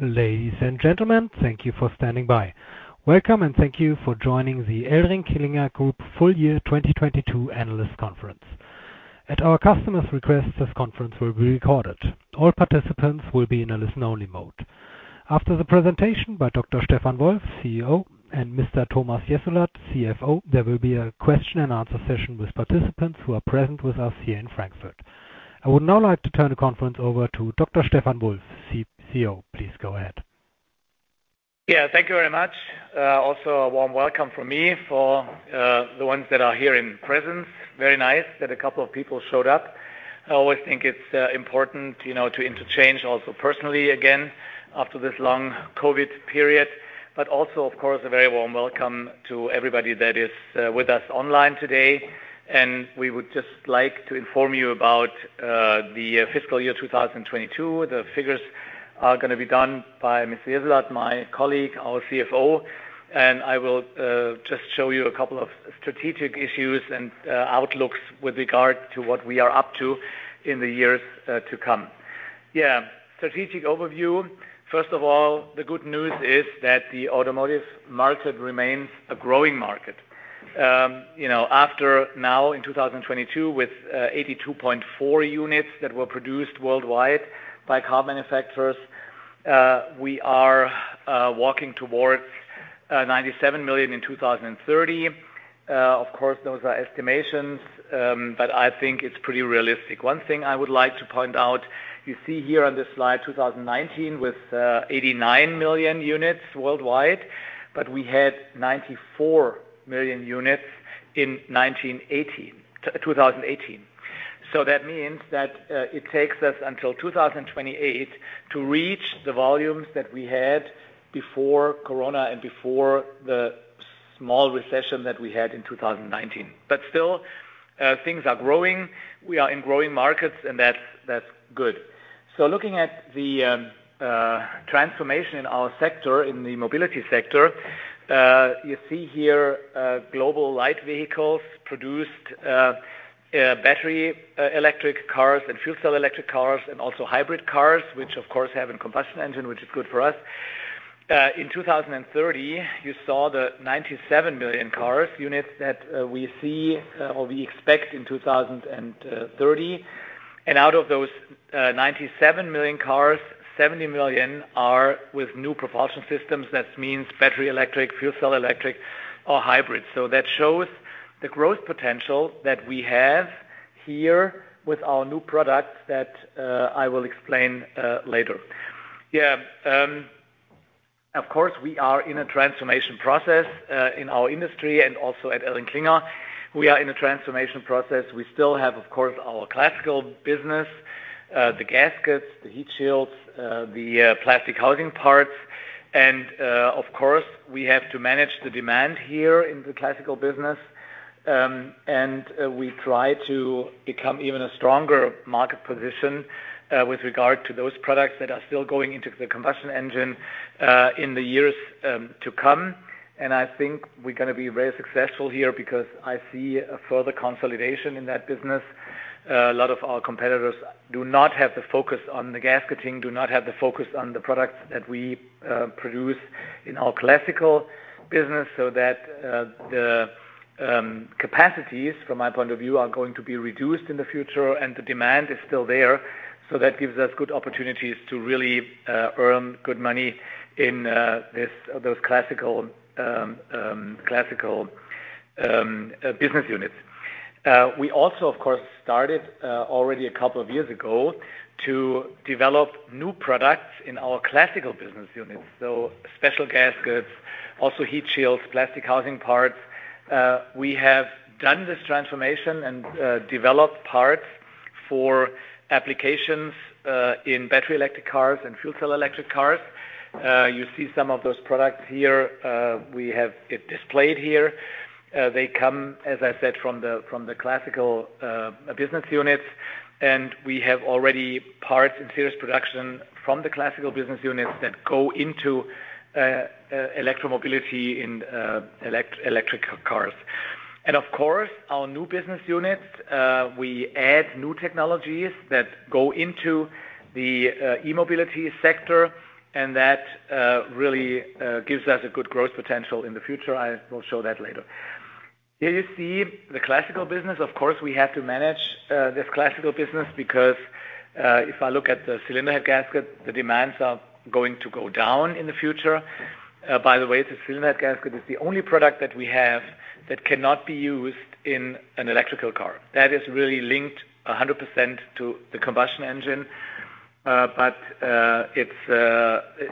Ladies and gentlemen, thank you for standing by. Welcome and thank you for joining the ElringKlinger Group full year 2022 analyst conference. At our customer's request, this conference will be recorded. All participants will be in a listen-only mode. After the presentation by Dr. Stefan Wolf, CEO, and Mr. Thomas Jessulat, CFO, there will be a Q&A session with participants who are present with us here in Frankfurt. I would now like to turn the conference over to Dr. Stefan Wolf, CEO. Please go ahead. Yeah, thank you very much. Also a warm welcome from me for the ones that are here in presence. Very nice that a couple of people showed up. I always think it's important, you know, to interchange also personally again after this long COVID period, but also, of course, a very warm welcome to everybody that is with us online today. We would just like to inform you about the fiscal year 2022. The figures are gonna be done by Mr. Jessulat, my colleague, our CFO. I will just show you a couple of strategic issues and outlooks with regard to what we are up to in the years to come. Yeah. Strategic overview. First of all, the good news is that the automotive market remains a growing market. You know, after now in 2022 with 82.4 units that were produced worldwide by car manufacturers, we are walking towards 97 million in 2030. Of course, those are estimations, I think it's pretty realistic. One thing I would like to point out, you see here on this slide, 2019 with 89 million units worldwide, but we had 94 million units in 2018. That means that it takes us until 2028 to reach the volumes that we had before Corona and before the small recession that we had in 2019. Still, things are growing. We are in growing markets, and that's good. Looking at the transformation in our sector, in the mobility sector, you see here global light vehicles produced battery electric cars and fuel cell electric cars and also hybrid cars, which of course have a combustion engine, which is good for us. In 2030, you saw the 97 million cars units that we see or we expect in 2030. Out of those 97 million cars, 70 million are with new propulsion systems. That means battery electric, fuel cell electric, or hybrid. That shows the growth potential that we have here with our new products that I will explain later. Of course, we are in a transformation process in our industry and also at ElringKlinger. We are in a transformation process. We still have, of course, our classical business, the gaskets, the heat shields, the plastic housing parts. Of course, we have to manage the demand here in the classical business, and we try to become even a stronger market position with regard to those products that are still going into the combustion engine in the years to come. I think we're gonna be very successful here because I see a further consolidation in that business. A lot of our competitors do not have the focus on the gasketing, do not have the focus on the products that we produce in our classical business so that the capacities from my point of view, are going to be reduced in the future and the demand is still there. That gives us good opportunities to really earn good money in those classical business units. We also, of course, started already a couple of years ago to develop new products in our classical business units. Special gaskets, also heat shields, plastic housing parts. We have done this transformation and developed parts for applications in battery electric cars and fuel cell electric cars. You see some of those products here. We have it displayed here. They come, as I said, from the classical business units, and we have already parts in serious production from the classical business units that go into electro mobility in electric cars. Of course, our new business units, we add new technologies that go into the e-mobility sector, and that really gives us a good growth potential in the future. I will show that later. Here you see the classical business. Of course, we have to manage this classical business because if I look at the cylinder head gasket, the demands are going to go down in the future. By the way, the cylinder head gasket is the only product that we have that cannot be used in an electrical car. That is really linked 100% to the combustion engine. But,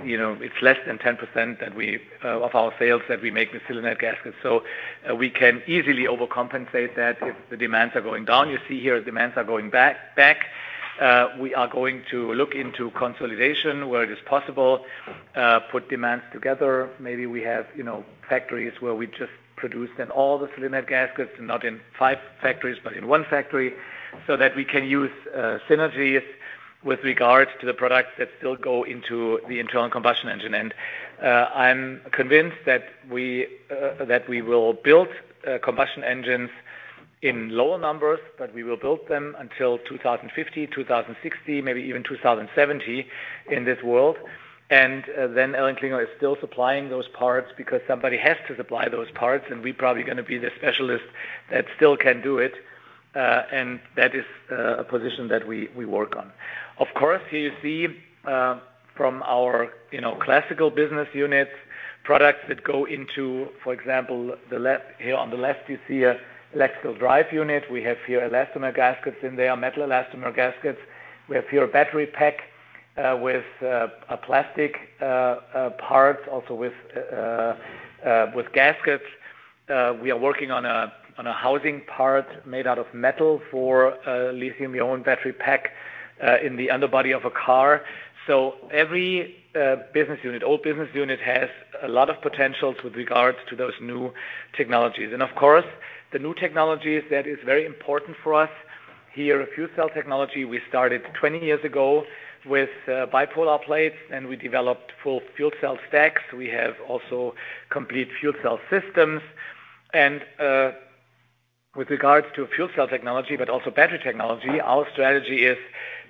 you know, it's less than 10% of our sales that we make with cylinder head gaskets. We can easily overcompensate that if the demands are going down. You see here demands are going back. We are going to look into consolidation where it is possible, put demands together. Maybe we have, you know, factories where we just produce then all the cylinder head gaskets and not in five factories, but in one factory, so that we can use synergies with regards to the products that still go into the internal combustion engine. I'm convinced that we that we will build combustion engines in lower numbers, but we will build them until 2050, 2060, maybe even 2070 in this world. ElringKlinger is still supplying those parts because somebody has to supply those parts, and we probably going to be the specialist that still can do it, and that is a position that we work on. Of course, you see, from our, you know, classical business units, products that go into, for example, here on the left you see an electrical drive unit. We have here elastomer gaskets in there, metal-elastomer gaskets. We have here a battery pack, with a plastic part, also with gaskets. We are working on a housing part made out of metal for a lithium ion battery pack, in the underbody of a car. Every business unit, old business unit, has a lot of potential with regards to those new technologies. Of course, the new technologies, that is very important for us. Here, a fuel cell technology, we started 20 years ago with bipolar plates, and we developed full fuel cell stacks. We have also complete fuel cell systems. With regards to fuel cell technology, but also battery technology, our strategy is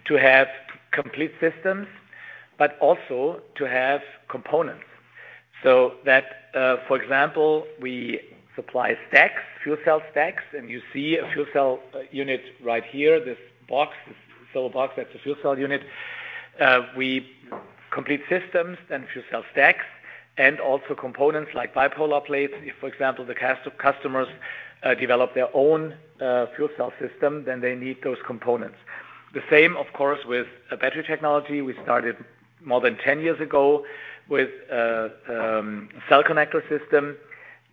to have complete systems, but also to have components. For example, we supply stacks, fuel cell stacks, and you see a fuel cell unit right here. This box, this silver box, that's a fuel cell unit. We complete systems and fuel cell stacks and also components like bipolar plates. If, for example, the cast of customers develop their own fuel cell system, then they need those components. The same, of course, with a battery technology. We started more than 10 years ago with cell connector system,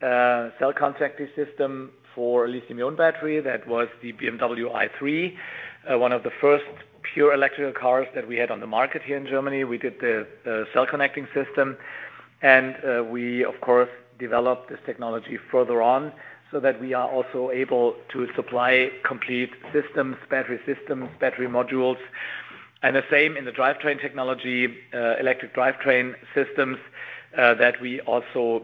cell contacting system for lithium ion battery. That was the BMW i3, one of the first pure electrical cars that we had on the market here in Germany. We did the cell connecting system, we of course, developed this technology further on so that we are also able to supply complete systems, battery systems, battery modules. The same in the drivetrain technology, electric drivetrain systems, that we also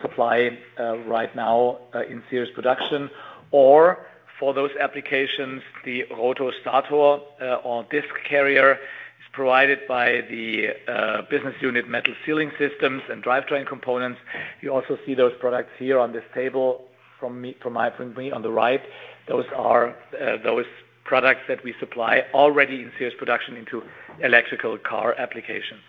supply right now in serious production. For those applications, the rotor stator or disc carrier is provided by the business unit Metal Sealing Systems & Drivetrain Components. You also see those products here on this table from my point of view on the right. Those are those products that we supply already in serious production into electrical car applications.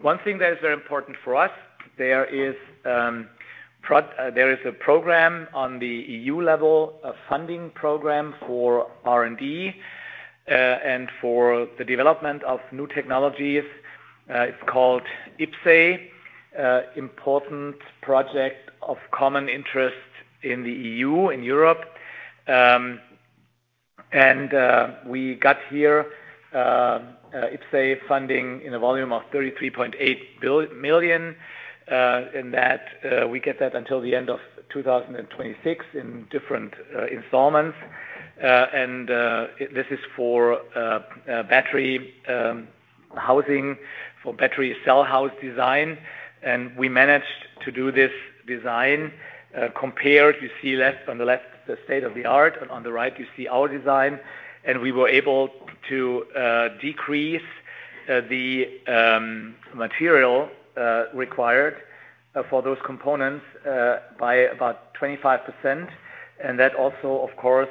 One thing that is very important for us, there is a program on the EU level, a funding program for R&D and for the development of new technologies. It's called IPCEI, Important Project of Common Interest in the EU, in Europe. We got here IPCEI funding in a volume of 33.8 million in that, we get that until the end of 2026 in different installments. This is for battery housing, for battery cell house design. We managed to do this design. Compared, you see on the left, the state-of-the-art, and on the right, you see our design. We were able to decrease the material required for those components by about 25%. That also, of course,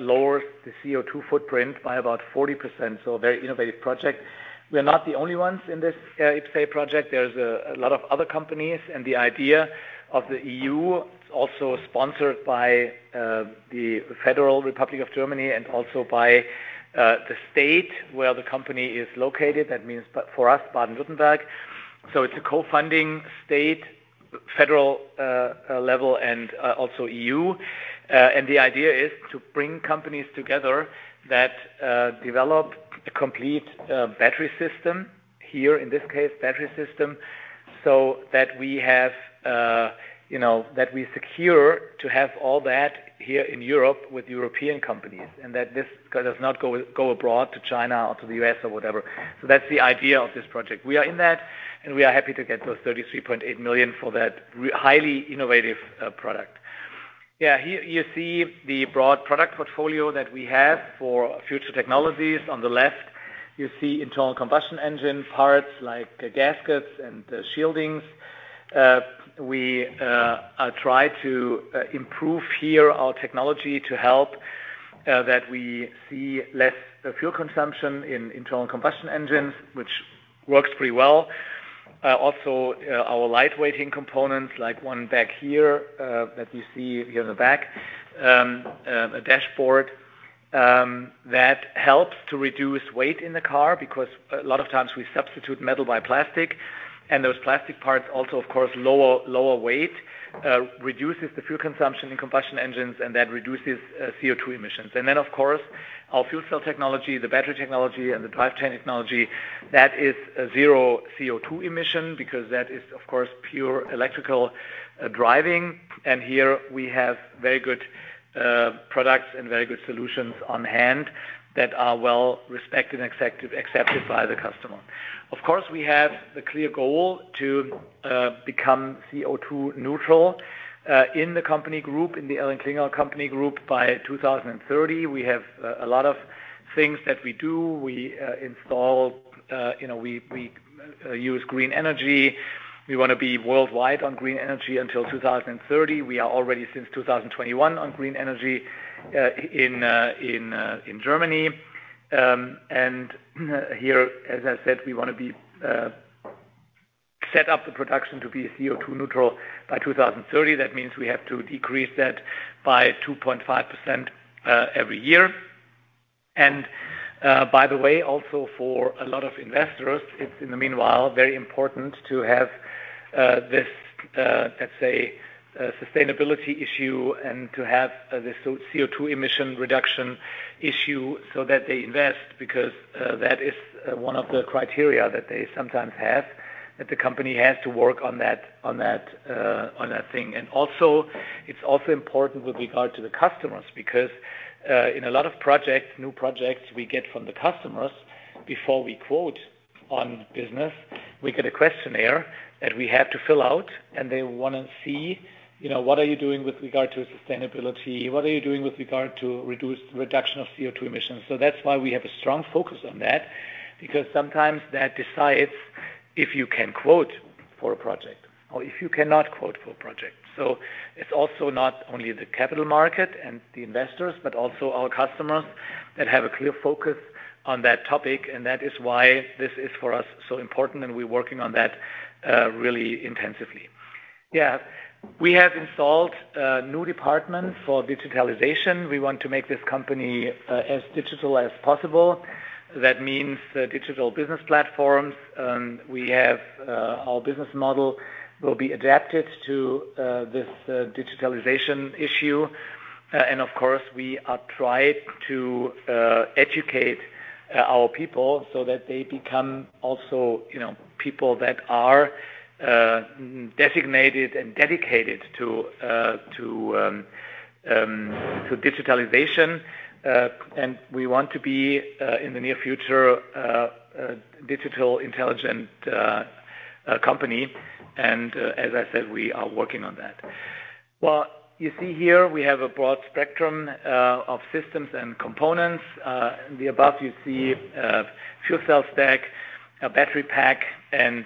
lowers the CO₂ footprint by about 40%. A very innovative project. We're not the only ones in this IPCEI project. There's a lot of other companies, the idea of the EU, it's also sponsored by the Federal Republic of Germany and also by the state where the company is located. That means for us, Baden-Württemberg. it's a co-funding state, federal level and also EU. the idea is to bring companies together that develop a complete battery system. Here in this case, battery system, so that we have, you know, that we secure to have all that here in Europe with European companies. that this does not go abroad to China or to the U.S. or whatever. that's the idea of this project. We are in that, and we are happy to get those 33.8 million for that highly innovative product. Yeah, here you see the broad product portfolio that we have for future technologies. On the left, you see internal combustion engine parts like gaskets and shieldings. We try to improve here our technology to help that we see less fuel consumption in internal combustion engines, which works pretty well. Also, our lightweighting components, like one back here, that you see here in the back. A dashboard that helps to reduce weight in the car because a lot of times we substitute metal by plastic. Those plastic parts also of course, lower weight, reduces the fuel consumption in combustion engines, and that reduces CO₂ emissions. Then, of course, our fuel cell technology, the battery technology, and the drivetrain technology, that is a zero CO₂ emission because that is, of course, pure electrical driving. Here we have very good products and very good solutions on hand that are well respected and accepted by the customer. Of course, we have the clear goal to become CO₂ neutral in the company group, in the ElringKlinger Group by 2030. We have a lot of things that we do. We install, you know, we use green energy. We wanna be worldwide on green energy until 2030. We are already since 2021 on green energy in Germany. Here, as I said, we wanna be set up the production to be CO₂ neutral by 2030. That means we have to decrease that by 2.5% every year. By the way, also for a lot of investors, it's in the meanwhile, very important to have this, let's say, sustainability issue and to have this CO₂ emission reduction issue so that they invest, because that is one of the criteria that they sometimes have, that the company has to work on that, on that thing. Also, it's also important with regard to the customers, because in a lot of projects, new projects we get from the customers, before we quote on business, we get a questionnaire that we have to fill out, and they wanna see, you know, what are you doing with regard to sustainability? What are you doing with regard to reduction of CO₂ emissions? That's why we have a strong focus on that, because sometimes that decides if you can quote for a project or if you cannot quote for a project. It's also not only the capital market and the investors, but also our customers that have a clear focus on that topic. That is why this is for us so important, and we're working on that really intensively. Yeah. We have installed a new department for digitalization. We want to make this company as digital as possible. That means digital business platforms. We have our business model will be adapted to this digitalization issue. And of course, we are trying to educate our people so that they become also, you know, people that are designated and dedicated to digitalization. We want to be in the near future a digital intelligent company. As I said, we are working on that. You see here we have a broad spectrum of systems and components. The above you see fuel cell stack, a battery pack, and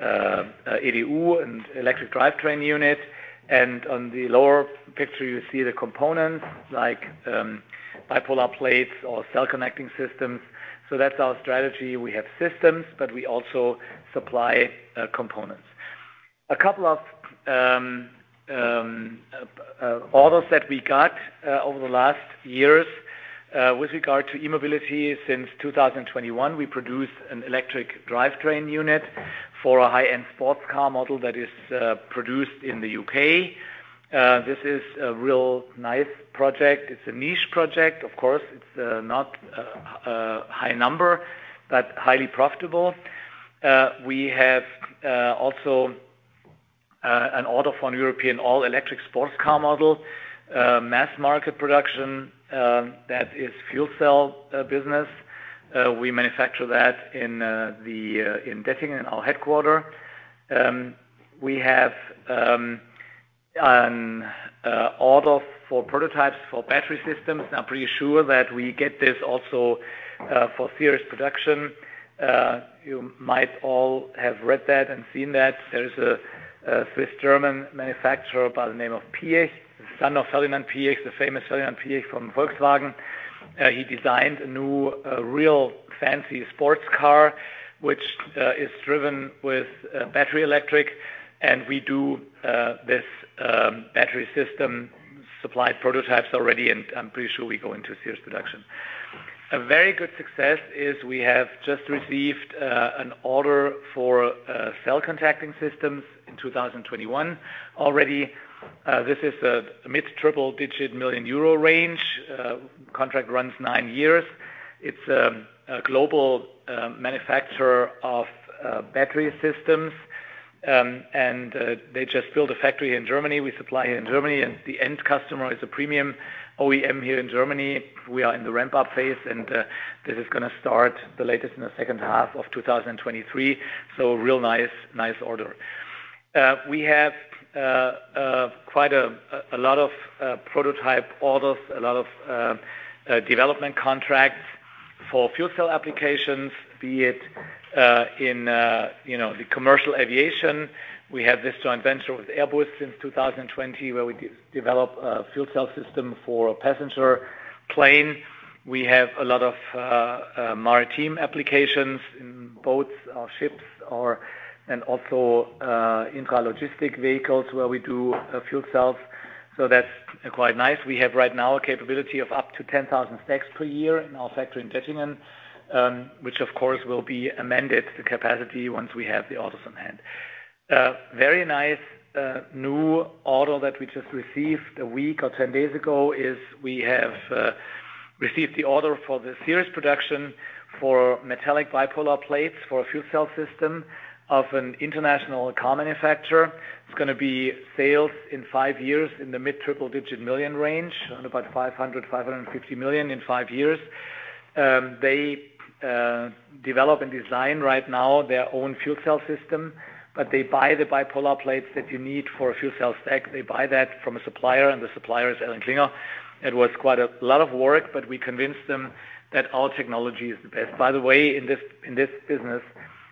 EDU and electric drivetrain unit. On the lower picture, you see the components like bipolar plates or cell contacting systems. That's our strategy. We have systems, but we also supply components. A couple of orders that we got over the last years with regard to e-mobility. Since 2021, we produced an electric drivetrain unit for a high-end sports car model that is produced in the U.K. This is a real nice project. It's a niche project. Of course, it's not a high number, but highly profitable. We have also an order for an European all-electric sports car model, mass market production, that is fuel cell business. We manufacture that in the in Dettingen, in our headquarter. We have an order for prototypes for battery systems. I'm pretty sure that we get this also for serious production. You might all have read that and seen that. There's a Swiss German manufacturer by the name of Piëch, son of Ferdinand Piëch, the famous Ferdinand Piëch from Volkswagen. He designed a new real fancy sports car, which is driven with battery electric, and we do this battery system supplied prototypes already, and I'm pretty sure we go into serious production. A very good success is we have just received an order for cell contacting systems in 2021 already. This is a mid triple digit million EUR range. Contract runs nine years. It's a global manufacturer of battery systems. They just built a factory in Germany. We supply in Germany, and the end customer is a premium OEM here in Germany. We are in the ramp-up phase, and this is gonna start the latest in the second half of 2023. real nice order. We have quite a lot of prototype orders, a lot of development contracts for fuel cell applications, be it in, you know, the commercial aviation. We have this joint venture with Airbus since 2020, where we de-develop a fuel cell system for a passenger plane. We have a lot of maritime applications in boats or ships or, and also, intralogistic vehicles where we do fuel cells. That's quite nice. We have right now a capability of up to 10,000 stacks per year in our factory in Dettingen, which of course will be amended, the capacity, once we have the orders on hand. Very nice new order that we just received a week or 10 days ago is we have received the order for the series production for metallic bipolar plates for a fuel cell system of an international car manufacturer. It's gonna be sales in five years in the mid triple digit million range, about 500 million-550 million in five years. They develop and design right now their own fuel cell system, but they buy the bipolar plates that you need for a fuel cell stack. They buy that from a supplier, the supplier is ElringKlinger. It was quite a lot of work, but we convinced them that our technology is the best. By the way, in this, in this business,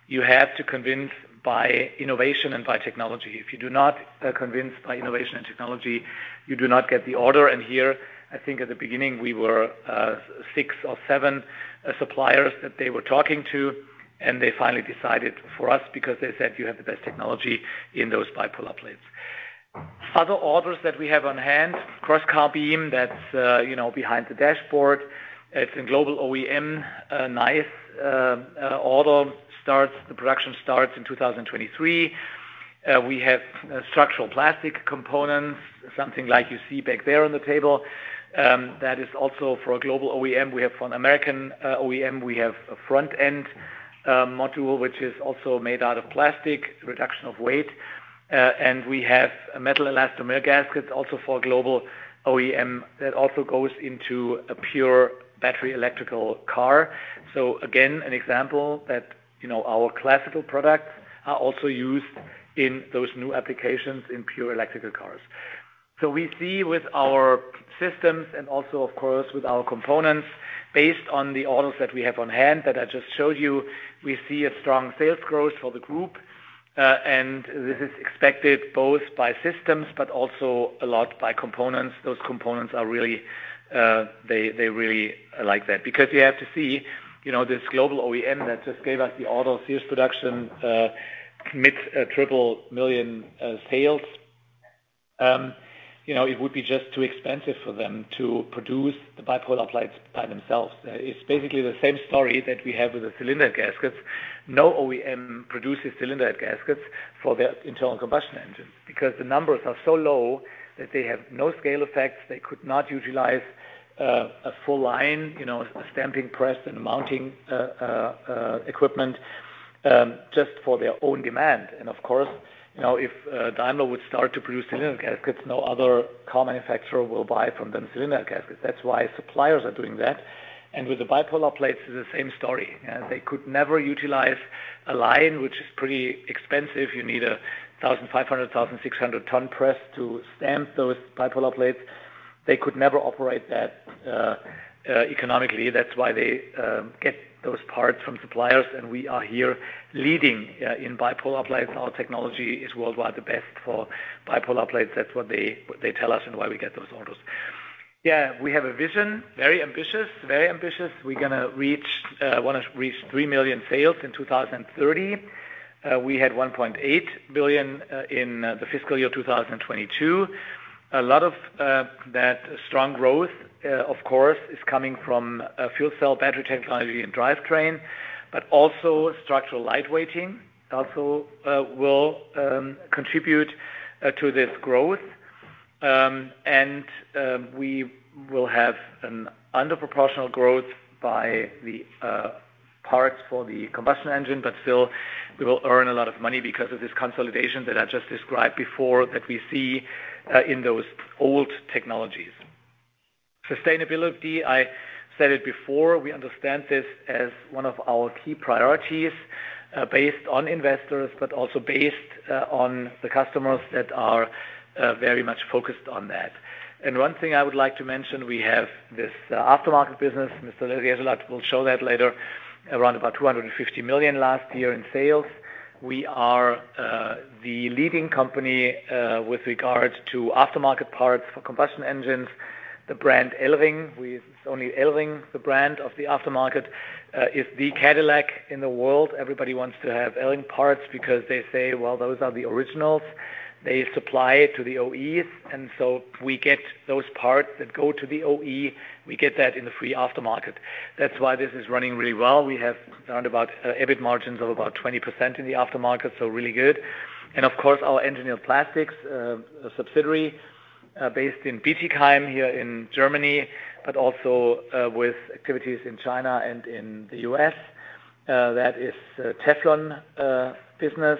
you have to convince by innovation and by technology. If you do not convince by innovation and technology, you do not get the order. Here, I think at the beginning, we were six or seven suppliers that they were talking to, and they finally decided for us because they said you have the best technology in those bipolar plates. Other orders that we have on hand, cockpit cross-car beam that's, you know, behind the dashboard. It's in global OEM. A nice order. The production starts in 2023. We have structural plastic components, something like you see back there on the table, that is also for a global OEM. We have for an American OEM, we have a front-end module, which is also made out of plastic, reduction of weight. We have a metal-elastomer gaskets also for a global OEM that also goes into a pure battery electrical car. Again, an example that, you know, our classical products are also used in those new applications in pure electrical cars. We see with our systems and also, of course, with our components, based on the orders that we have on hand that I just showed you, we see a strong sales growth for the group. This is expected both by systems but also a lot by components. Those components are really, they really are like that. You have to see, you know, this global OEM that just gave us the order, sales production meets 3 million sales. You know, it would be just too expensive for them to produce the bipolar plates by themselves. It's basically the same story that we have with the cylinder gaskets. No OEM produces cylinder gaskets for their internal combustion engine because the numbers are so low that they have no scale effects. They could not utilize a full line, you know, a stamping press and mounting equipment just for their own demand. Of course, you know, if Daimler would start to produce cylinder gaskets, no other car manufacturer will buy from them cylinder gaskets. That's why suppliers are doing that. With the bipolar plates, it's the same story. They could never utilize a line, which is pretty expensive. You need a 1,500, 1,600 ton press to stamp those bipolar plates. They could never operate that economically. That's why they get those parts from suppliers. We are here leading in bipolar plates. Our technology is worldwide the best for bipolar plates. That's what they tell us and why we get those orders. We have a vision, very ambitious, very ambitious. Wanna reach 3 million sales in 2030. We had 1.8 billion in the fiscal year 2022. A lot of that strong growth, of course, is coming from fuel cell battery technology and drivetrain, but also structural lightweighting also will contribute to this growth. We will have an under proportional growth by the parts for the combustion engine, but still we will earn a lot of money because of this consolidation that I just described before that we see in those old technologies. Sustainability, I said it before, we understand this as one of our key priorities, based on investors, but also based on the customers that are very much focused on that. One thing I would like to mention, we have this aftermarket business, Mr. Jessulat will show that later, around about 250 million last year in sales. We are the leading company with regards to aftermarket parts for combustion engines. The brand Elring. It's only Elring, the brand of the aftermarket, is the Cadillac in the world. Everybody wants to have Elring parts because they say, well, those are the originals. They supply it to the OEs, we get those parts that go to the OE. We get that in the free aftermarket. That's why this is running really well. We have around about EBIT margins of about 20% in the aftermarket, so really good. Of course, our engineered plastics subsidiary, based in Bietigheim here in Germany, but also with activities in China and in the U.S., that is a Teflon business.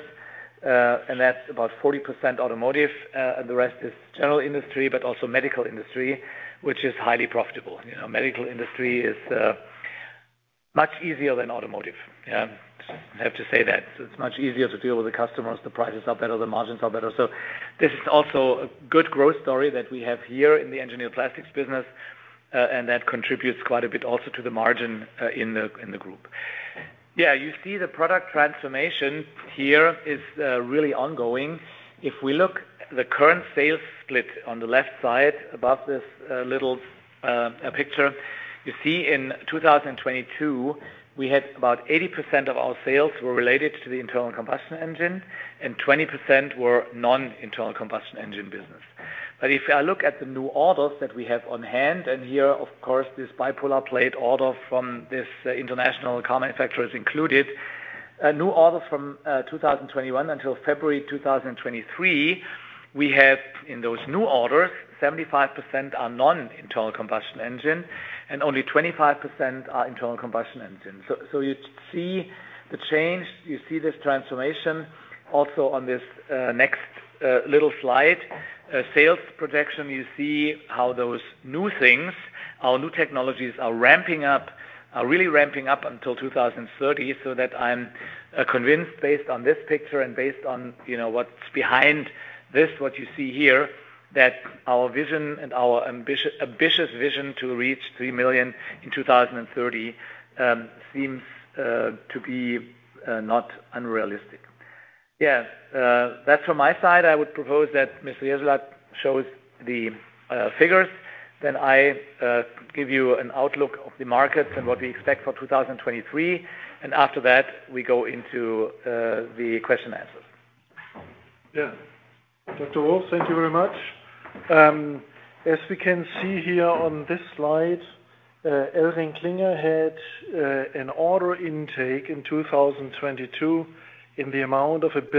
That's about 40% automotive. The rest is general industry, but also medical industry, which is highly profitable. You know, medical industry is much easier than automotive. Yeah. I have to say that. It's much easier to deal with the customers. The prices are better, the margins are better. This is also a good growth story that we have here in the engineered plastics business, and that contributes quite a bit also to the margin in the Group. Yeah, you see the product transformation here is really ongoing. If we look the current sales split on the left side above this little picture, you see in 2022, we had about 80% of our sales were related to the internal combustion engine, and 20% were non-internal combustion engine business. If I look at the new orders that we have on hand, and here, of course, this bipolar plate order from this international car manufacturer is included. A new order from 2021 until February 2023, we have in those new orders, 75% are non-internal combustion engine, and only 25% are internal combustion engine. You see the change, you see this transformation also on this next slide. Little slide, sales projection, you see how those new things, our new technologies are really ramping up until 2030, so that I'm convinced based on this picture and based on, you know, what's behind this, what you see here, that our vision and our ambitious vision to reach 3 million in 2030, seems to be not unrealistic. Yeah, that's from my side. I would propose that Mr. Jessulat shows the figures, then I give you an outlook of the markets and what we expect for 2023. After that, we go into the question answers. Dr. Wolf, thank you very much. As we can see here on this slide, ElringKlinger had an order intake in 2022 in the amount of 1.874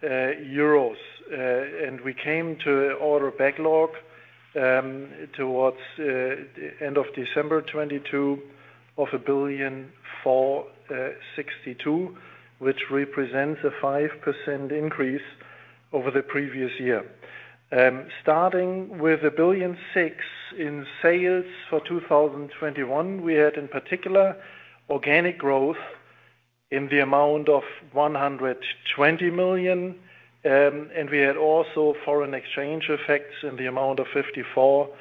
billion. We came to order backlog towards end of December 2022 of 1.462 billion, which represents a 5% increase over the previous year. Starting with 1.6 billion in sales for 2021, we had in particular organic growth in the amount of 120 million, we had also foreign exchange effects in the amount of 54 million,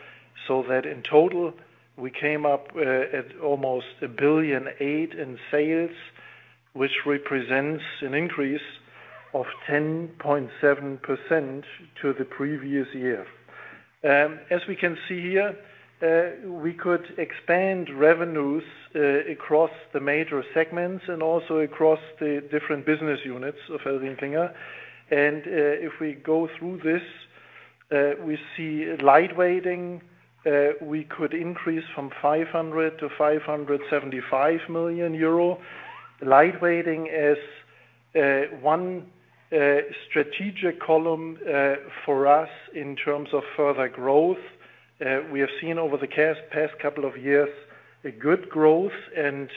that in total, we came up at almost 1.8 billion in sales, which represents an increase of 10.7% to the previous year. As we can see here, we could expand revenues across the major segments and also across the different business units of ElringKlinger. If we go through this, we see lightweighting, we could increase from 500 million-575 million euro. Lightweighting is one strategic column for us in terms of further growth. We have seen over the past couple of years a good growth, and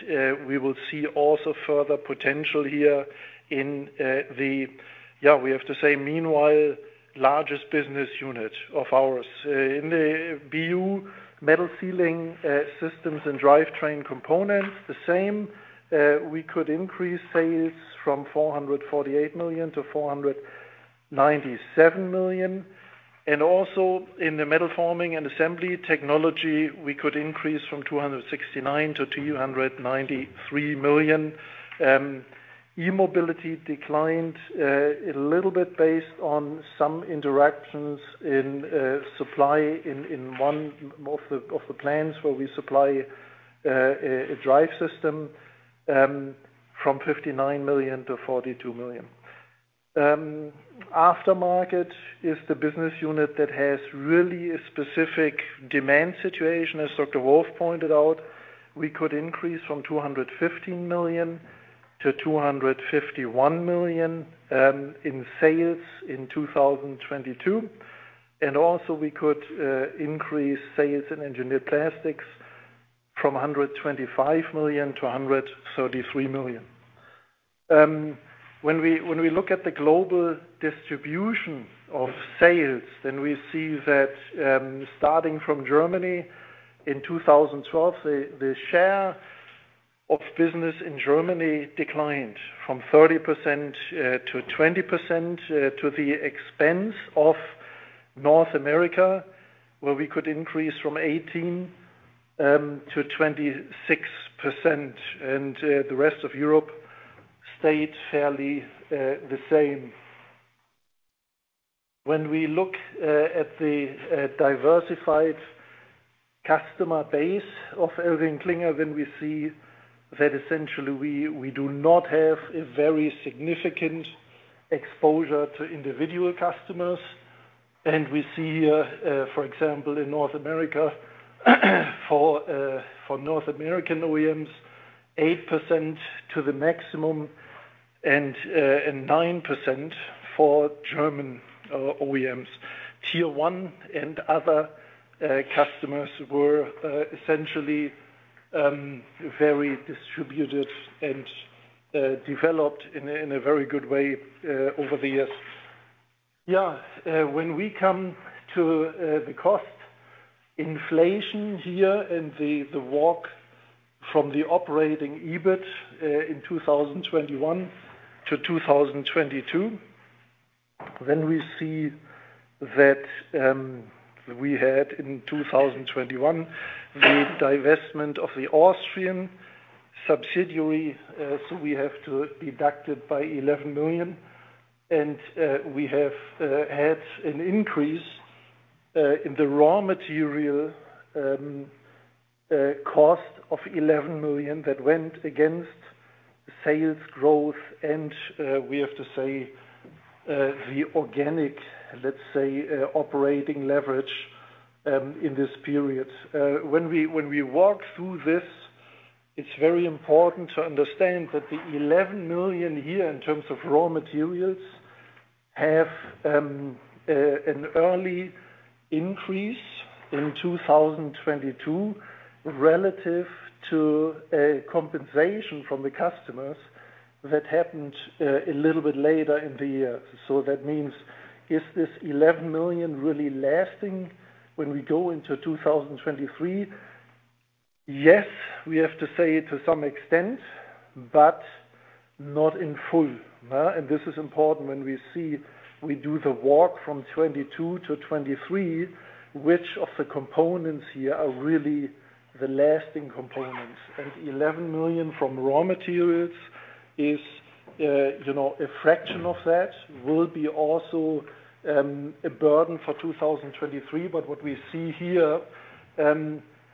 we will see also further potential here in the, we have to say, meanwhile, largest business unit of ours. In the BU Metal Sealing Systems & Drivetrain Components, the same, we could increase sales from 448 million-497 million. In the Metal Forming & Assembly Technology, we could increase from 269 million to 293 million. e-mobility declined a little bit based on some interactions in supply in one of the plants where we supply a drive system, from 59 million to 42 million. Aftermarket is the business unit that has really a specific demand situation. As Dr. Wolf pointed out, we could increase from 250 million to 251 million in sales in 2022. We could increase sales in engineered plastics from 125 million to 133 million. When we look at the global distribution of sales, we see that, starting from Germany in 2012, the share of business in Germany declined from 30% to 20% to the expense of North America, where we could increase from 18% to 26%. The rest of Europe stayed fairly the same. When we look at the diversified customer base of ElringKlinger, we see that essentially, we do not have a very significant exposure to individual customers. We see, for example, in North America, for North American OEMs, 8% to the maximum and 9% for German OEMs. Tier one and other customers were essentially very distributed and developed in a very good way over the years. When we come to the cost inflation here and the walk from the operating EBIT in 2021 to 2022, we see that we had in 2021, the divestment of the Austrian subsidiary, so we have to deduct it by 11 million. We have had an increase in the raw material cost of 11 million that went against sales growth. We have to say, the organic, let's say, operating leverage in this period. When we walk through this, it's very important to understand that the 11 million here in terms of raw materials have an early increase in 2022 relative to a compensation from the customers that happened a little bit later in the year. That means is this 11 million really lasting when we go into 2023? Yes, we have to say to some extent, but not in full. This is important when we see we do the work from 22 to 23, which of the components here are really the lasting components. 11 million from raw materials is, you know, a fraction of that will be also a burden for 2023. What we see here,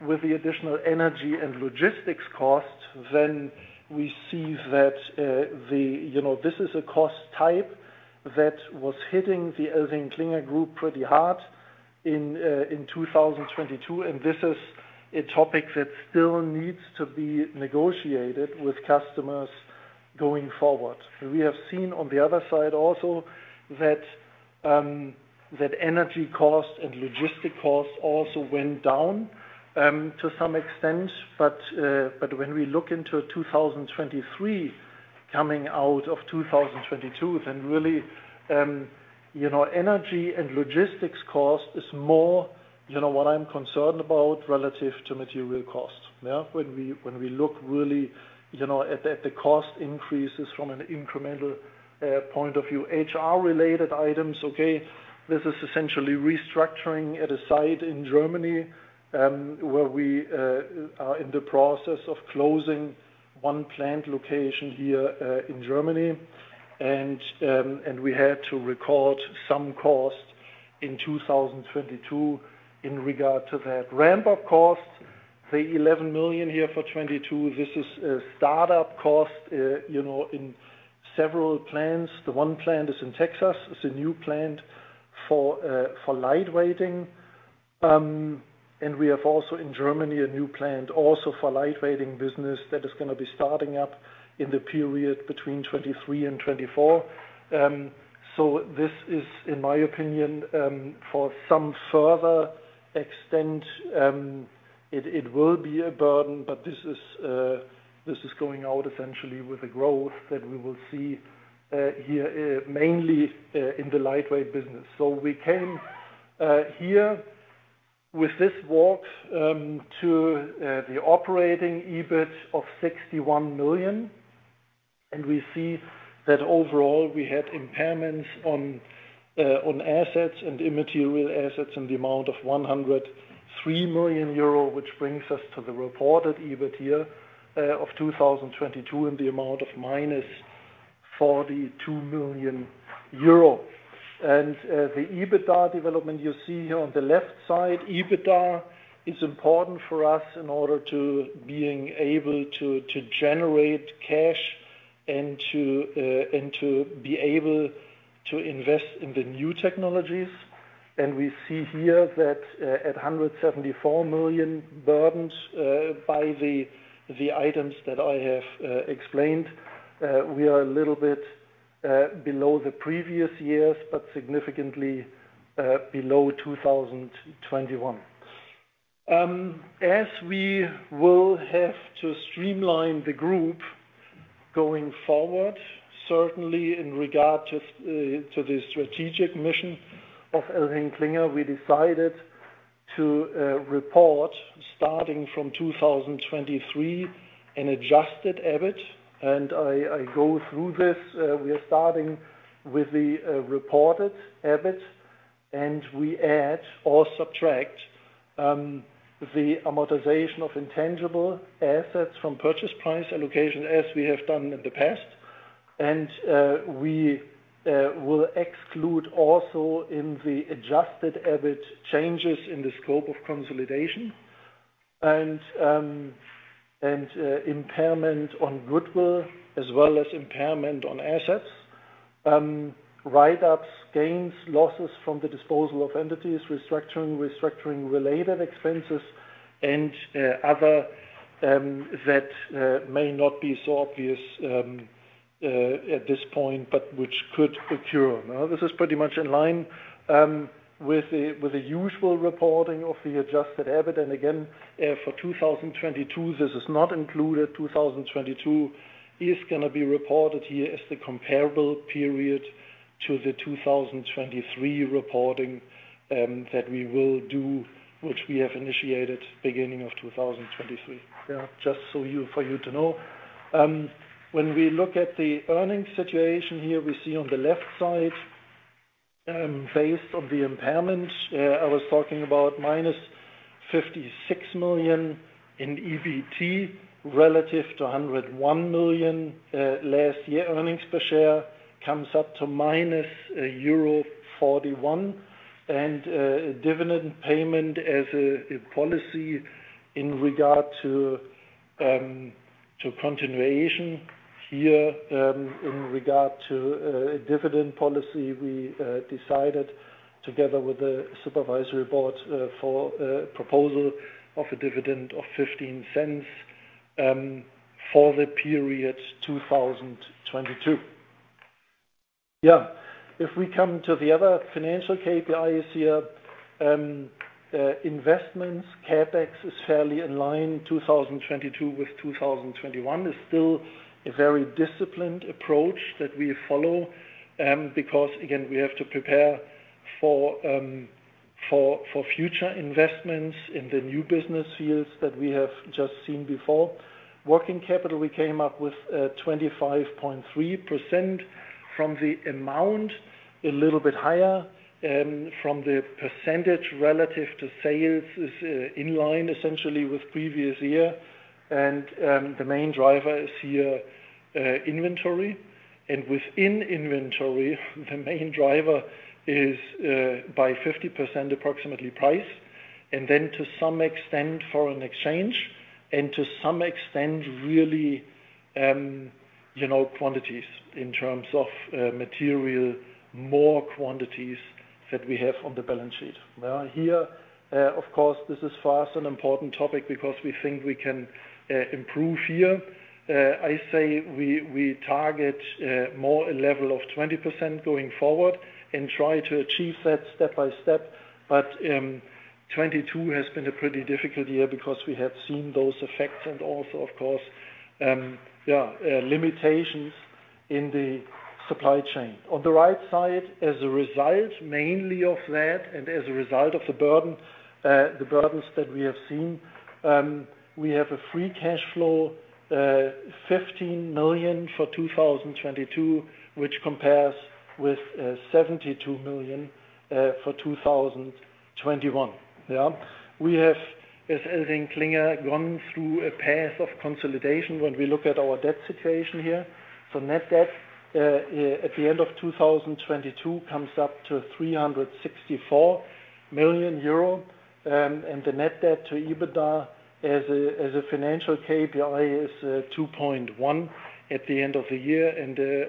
with the additional energy and logistics costs, then we see that. You know, this is a cost type that was hitting the ElringKlinger Group pretty hard in 2022. This is a topic that still needs to be negotiated with customers going forward. We have seen on the other side also that energy costs and logistics costs also went down to some extent. When we look into 2023 coming out of 2022, then really, you know, energy and logistics costs is more, you know, what I'm concerned about relative to material costs. When we look really, you know, at the cost increases from an incremental point of view. HR-related items, this is essentially restructuring at a site in Germany, where we are in the process of closing one plant location here in Germany. We had to record some costs in 2022 in regard to that. Ramp-up costs, the 11 million here for 2022, this is a start-up cost, you know, in several plants. The one plant is in Texas. It's a new plant for lightweighting. We have also in Germany a new plant also for lightweighting business that is gonna be starting up in the period between 2023 and 2024. This is, in my opinion, for some further extent, it will be a burden, but this is going out essentially with the growth that we will see here mainly in the lightweight business. We came here with this work to the operating EBIT of 61 million, and we see that overall we had impairments on assets and immaterial assets in the amount of 103 million euro, which brings us to the reported EBIT here of 2022 in the amount of minus 42 million euro. The EBITDA development you see here on the left side, EBITDA is important for us in order to being able to generate cash and to be able to invest in the new technologies. We see here that at 174 million burdens by the items that I have explained, we are a little bit below the previous years, but significantly below 2021. As we will have to streamline the group going forward, certainly in regard to the strategic mission of ElringKlinger, we decided to report starting from 2023 an adjusted EBIT, and I go through this. We are starting with the reported EBIT, and we add or subtract the amortization of intangible assets from purchase price allocation as we have done in the past. We will exclude also in the adjusted EBIT changes in the scope of consolidation and impairment on goodwill as well as impairment on assets, write-ups, gains, losses from the disposal of entities, restructuring-related expenses, and other that may not be so obvious at this point, but which could occur. This is pretty much in line with the usual reporting of the adjusted EBIT. Again, for 2022, this is not included. 2022 is gonna be reported here as the comparable period to the 2023 reporting that we will do, which we have initiated beginning of 2023. Just for you to know. When we look at the earnings situation here, we see on the left side, based on the impairment I was talking about -56 million in EBIT relative to 101 million last year. Earnings per share comes up to -0.41 euro. Dividend payment as a policy in regard to continuation here, in regard to a dividend policy, we decided together with the supervisory board for a proposal of a dividend of 0.15 for the period 2022. If we come to the other financial KPIs here, investments CapEx is fairly in line 2022 with 2021. It's still a very disciplined approach that we follow because again, we have to prepare for future investments in the new business years that we have just seen before. Working capital, we came up with 25.3% from the amount a little bit higher, from the percentage relative to sales is in line essentially with previous year. The main driver is here inventory. Within inventory, the main driver is by 50% approximately price, and then to some extent foreign exchange and to some extent really, you know, quantities in terms of material, more quantities that we have on the balance sheet. Here, of course, this is for us an important topic because we think we can improve here. I say we target more a level of 20% going forward and try to achieve that step by step. 2022 has been a pretty difficult year because we have seen those effects and also of course, limitations in the supply chain. On the right side as a result, mainly of that and as a result of the burdens that we have seen, we have a free cash flow, 15 million for 2022, which compares with 72 million for 2021. Yeah. We have, as ElringKlinger gone through a path of consolidation when we look at our debt situation here. Net debt at the end of 2022 comes up to 364 million euro. The net debt to EBITDA as a financial KPI is 2.1 at the end of the year.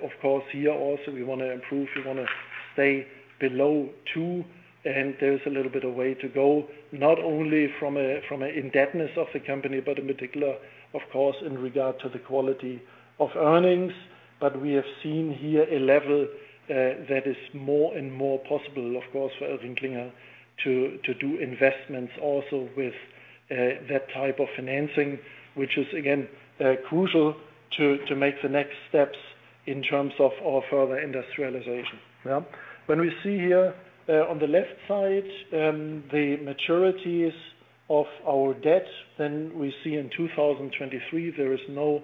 Of course, here also we wanna improve, we wanna stay below two, and there's a little bit of way to go, not only from a indebtedness of the company, but in particular of course, in regard to the quality of earnings. We have seen here a level that is more and more possible, of course, for ElringKlinger to do investments also with that type of financing, which is again crucial to make the next steps in terms of our further industrialization. When we see here on the left side, the maturities of our debt, then we see in 2023 there is no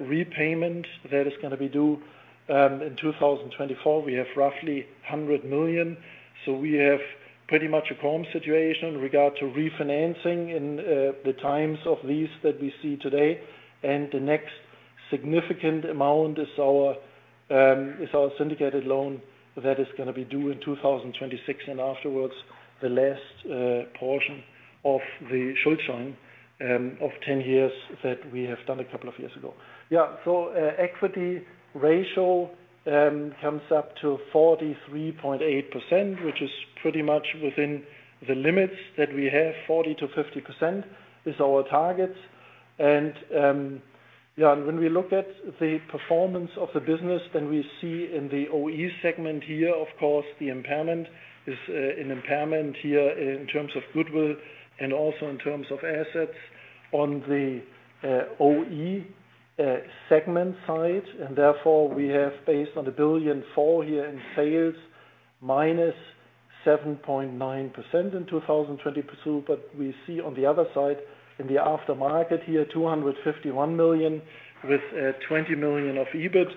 repayment that is gonna be due. In 2024 we have roughly 100 million, we have pretty much a calm situation regard to refinancing in the times of these that we see today. The next significant amount is our syndicated loan that is gonna be due in 2026 and afterwards the last portion of the Schuldschein of 10 years that we have done a couple of years ago. Equity ratio comes up to 43.8%, which is pretty much within the limits that we have. 40%-50% is our targets. When we look at the performance of the business, we see in the OE segment here, of course, the impairment is an impairment here in terms of goodwill and also in terms of assets on the OE segment side. Therefore, we have based on the 1 billion fall here in sales -7.9% in 2022. We see on the other side in the aftermarket here, 251 million with 20 million of EBIT.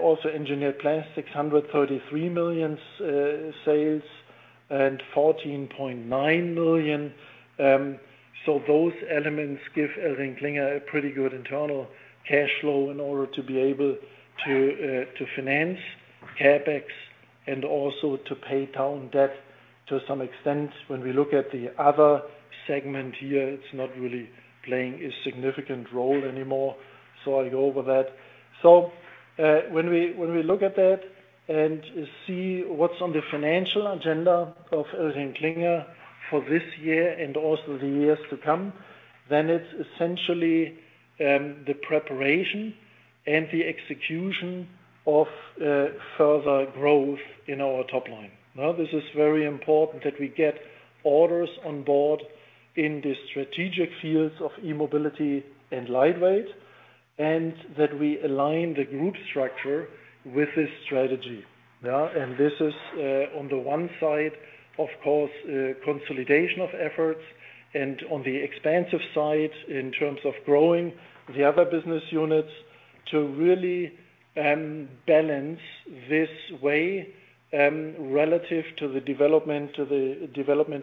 Also Engineered Plastics, 133 million sales and 14.9 million. Those elements give ElringKlinger a pretty good internal cash flow in order to be able to finance CapEx and also to pay down debt to some extent. When we look at the other segment here, it's not really playing a significant role anymore, so I'll go over that. When we look at that and see what's on the financial agenda of ElringKlinger for this year and also the years to come, then it's essentially the preparation and the execution of further growth in our top line. This is very important that we get orders on board in the strategic fields of e-mobility and lightweight, and that we align the group structure with this strategy. This is, on the one side, of course, consolidation of efforts and on the expansive side in terms of growing the other business units to really balance this way relative to the development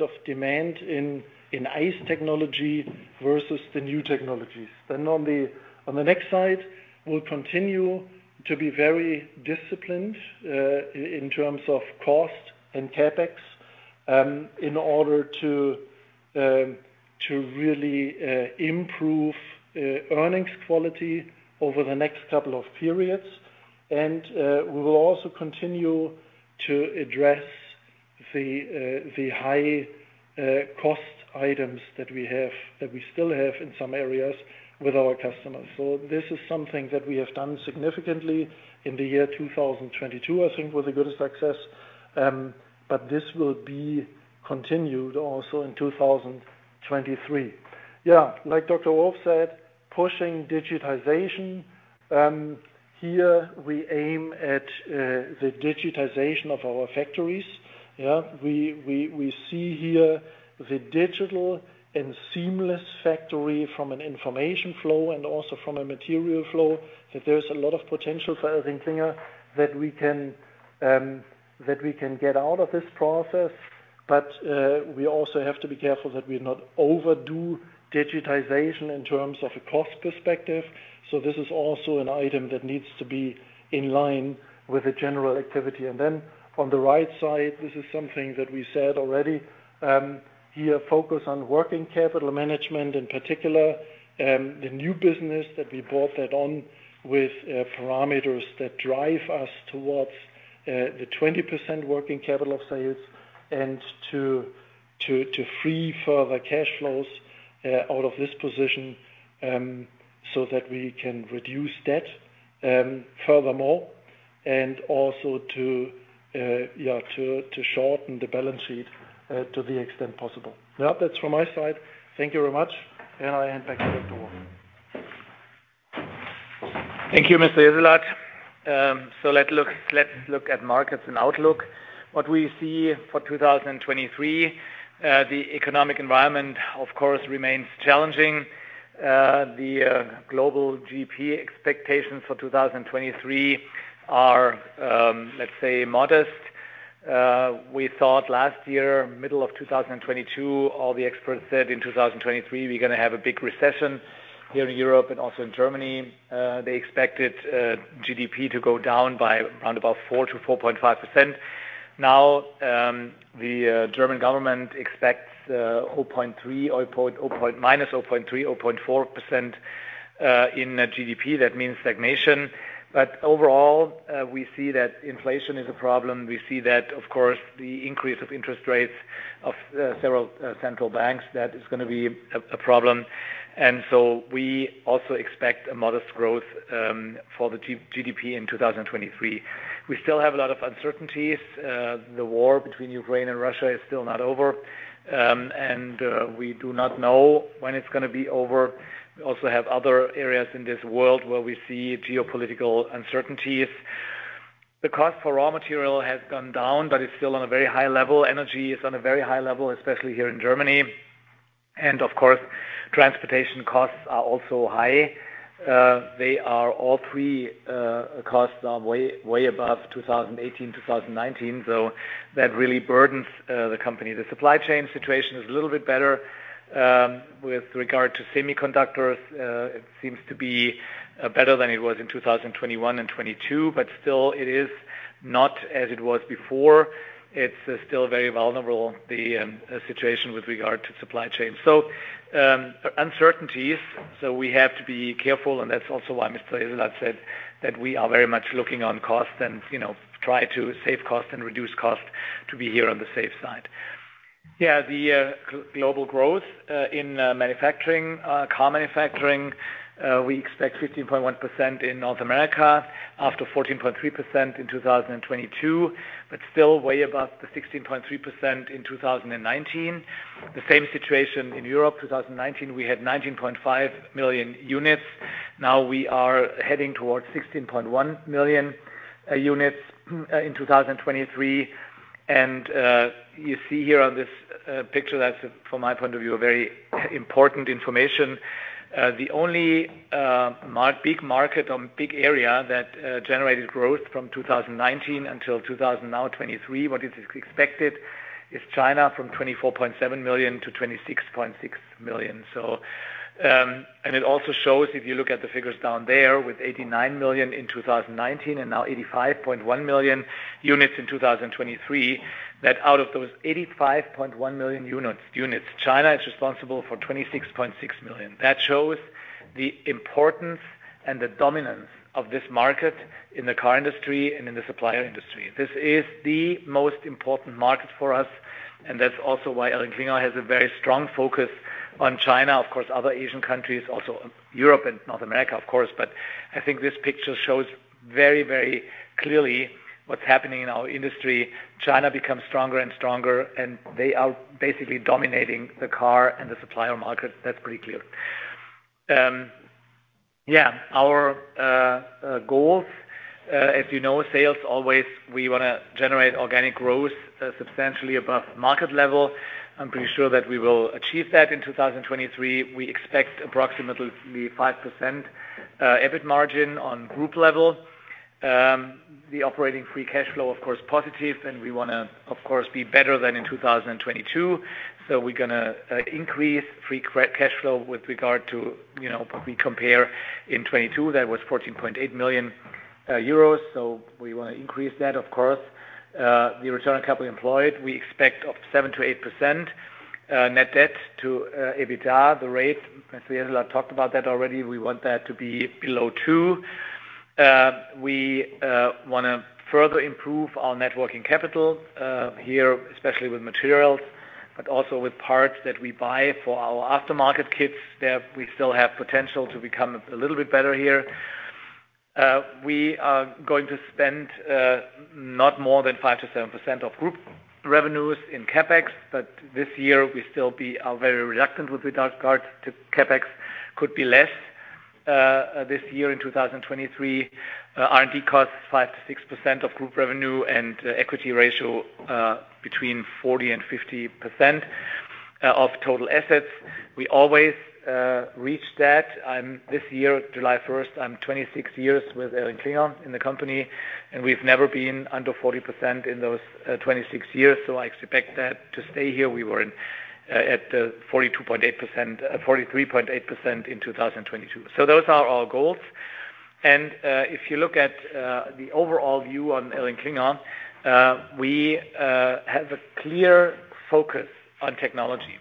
of demand in ICE technology versus the new technologies. On the next side, we'll continue to be very disciplined in terms of cost and CapEx in order to really improve earnings quality over the next couple of periods. We will also continue to address the high cost items that we still have in some areas with our customers. This is something that we have done significantly in the year 2022, I think was a good success. This will be continued also in 2023. Yeah. Like Dr. Wolf said, pushing digitization. Here we aim at the digitization of our factories. We see here the digital and seamless factory from an information flow and also from a material flow, that there's a lot of potential for ElringKlinger that we can get out of this process. We also have to be careful that we not overdo digitization in terms of a cost perspective. This is also an item that needs to be in line with the general activity. On the right side, this is something that we said already. Here focus on working capital management in particular, the new business that we brought that on with parameters that drive us towards the 20% working capital of sales and to free further cash flows out of this position, so that we can reduce debt furthermore and also to shorten the balance sheet to the extent possible. Yeah, that's from my side. Thank you very much. I hand back to Dr. Wolf. Thank you, Mr. Jessulat. Let's look at markets and outlook. What we see for 2023, the economic environment, of course, remains challenging. The global GDP expectations for 2023 are, let's say, modest. We thought last year, middle of 2022, all the experts said in 2023 we're gonna have a big recession here in Europe and also in Germany. They expected GDP to go down by around about 4%-4.5%. Now, the German government expects -0.3%, -0.4% in GDP. That means stagnation. Overall, we see that inflation is a problem. We see that, of course, the increase of interest rates of several central banks, that is gonna be a problem. We also expect a modest growth for the GDP in 2023. We still have a lot of uncertainties. The war between Ukraine and Russia is still not over. We do not know when it's gonna be over. We also have other areas in this world where we see geopolitical uncertainties. The cost for raw material has gone down, but it's still on a very high level. Energy is on a very high level, especially here in Germany. Of course, transportation costs are also high. They are all three costs are way above 2018, 2019, so that really burdens the company. The supply chain situation is a little bit better with regard to semiconductors. It seems to be better than it was in 2021 and 2022, but still it is not as it was before. It's still very vulnerable, the situation with regard to supply chain. Uncertainties, so we have to be careful, and that's also why Mr. Jessulat said that we are very much looking on costs and, you know, try to save costs and reduce costs to be here on the safe side. The global growth in manufacturing, car manufacturing, we expect 15.1% in North America after 14.3% in 2022, but still way above the 16.3% in 2019. The same situation in Europe, 2019, we had 19.5 million units. Now we are heading towards 16.1 million units in 2023. You see here on this picture that's, from my point of view, a very important information. The only big market or big area that generated growth from 2019 until 2023, what is expected, is China from 24.7 million to 26.6 million. It also shows, if you look at the figures down there, with 89 million in 2019 and now 85.1 million units in 2023, that out of those 85.1 million units, China is responsible for 26.6 million. That shows the importance and the dominance of this market in the car industry and in the supplier industry. This is the most important market for us. That's also why ElringKlinger has a very strong focus on China, of course, other Asian countries, also Europe and North America, of course. I think this picture shows very, very clearly what's happening in our industry. China becomes stronger and stronger. They are basically dominating the car and the supplier market. That's pretty clear. Our goals, as you know, sales always, we wanna generate organic growth substantially above market level. I'm pretty sure that we will achieve that in 2023. We expect approximately 5% EBIT margin on group level. The operating free cash flow, of course, positive. We wanna, of course, be better than in 2022. We're gonna increase free cash flow with regard to, you know, we compare in 2022, that was 14.8 million euros. We wanna increase that, of course. The return on capital employed, we expect up 7%-8%. Net debt to EBITDA, the rate, as Jesulat talked about that already, we want that to be below two. We wanna further improve our networking capital here, especially with materials, but also with parts that we buy for our aftermarket kits. There we still have potential to become a little bit better here. We are going to spend not more than 5%-7% of group revenues in CapEx, but this year we are very reluctant with regard to CapEx. Could be less this year in 2023. R&D costs 5%-6% of group revenue and equity ratio between 40%-50% of total assets. We always reach that. This year, July 1st, I'm 26 years with ElringKlinger in the company, and we've never been under 40% in those 26 years. I expect that to stay here. We were at 42.8%-43.8% in 2022. Those are our goals. If you look at the overall view on ElringKlinger, we have a clear focus on technology.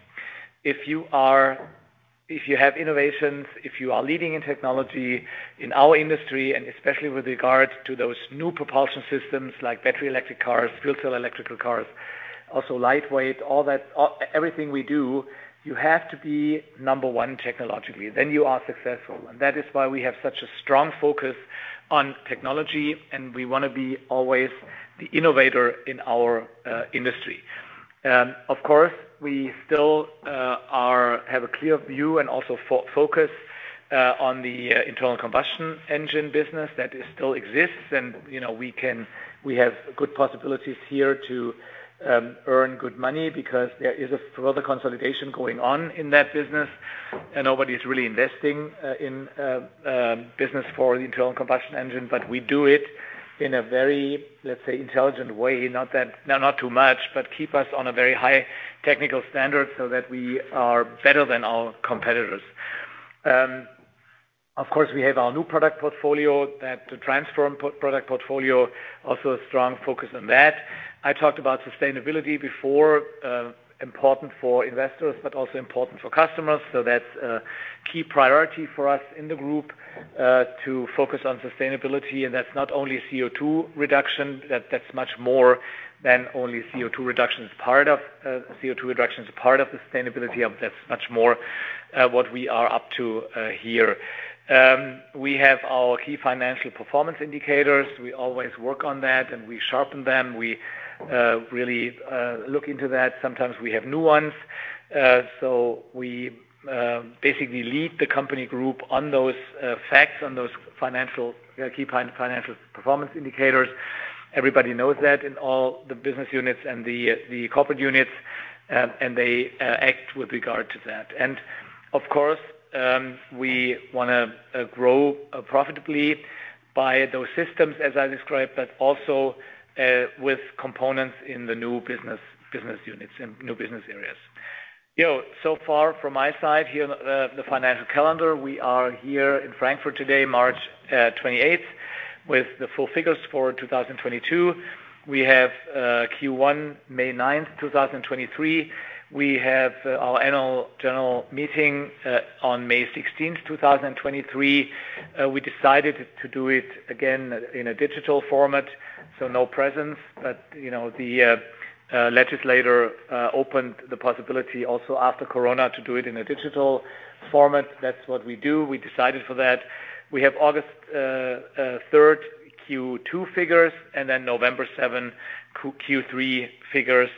If you have innovations, if you are leading in technology in our industry, especially with regard to those new propulsion systems like battery, electric cars, fuel cell, electrical cars, also lightweight, all that, everything we do, you have to be number one technologically, then you are successful. That is why we have such a strong focus on technology, and we wanna be always the innovator in our industry. Of course, we still have a clear view and also focus on the internal combustion engine business that still exists. You know, we have good possibilities here to earn good money because there is a further consolidation going on in that business, and nobody is really investing in business for the internal combustion engine. We do it in a very, let's say, intelligent way, not that, no, not too much, but keep us on a very high technical standard so that we are better than our competitors. Of course, we have our new product portfolio that the transform product portfolio also a strong focus on that. I talked about sustainability before, important for investors, but also important for customers. That's a key priority for us in the Group, to focus on sustainability. That's not only CO₂ reduction, that's much more than only CO₂ reduction as part of, CO₂ reduction as part of sustainability. That's much more, what we are up to, here. We have our key financial performance indicators. We always work on that, and we sharpen them. We, really, look into that. Sometimes we have new ones. We basically lead the company group on those facts, on those financial key financial performance indicators. Everybody knows that in all the business units and the corporate units, and they act with regard to that. Of course, we wanna grow profitably by those systems, as I described, but also with components in the new business units and new business areas. You know, far from my side here, the financial calendar, we are here in Frankfurt today, March 28th, with the full figures for 2022. We have Q1, May ninth, 2023. We have our annual general meeting on May 16th, 2023. We decided to do it again in a digital format, so no presence. You know, the legislator opened the possibility also after Corona to do it in a digital format. That's what we do. We decided for that. We have August, third Q2 figures, and November seven, Q3 figures.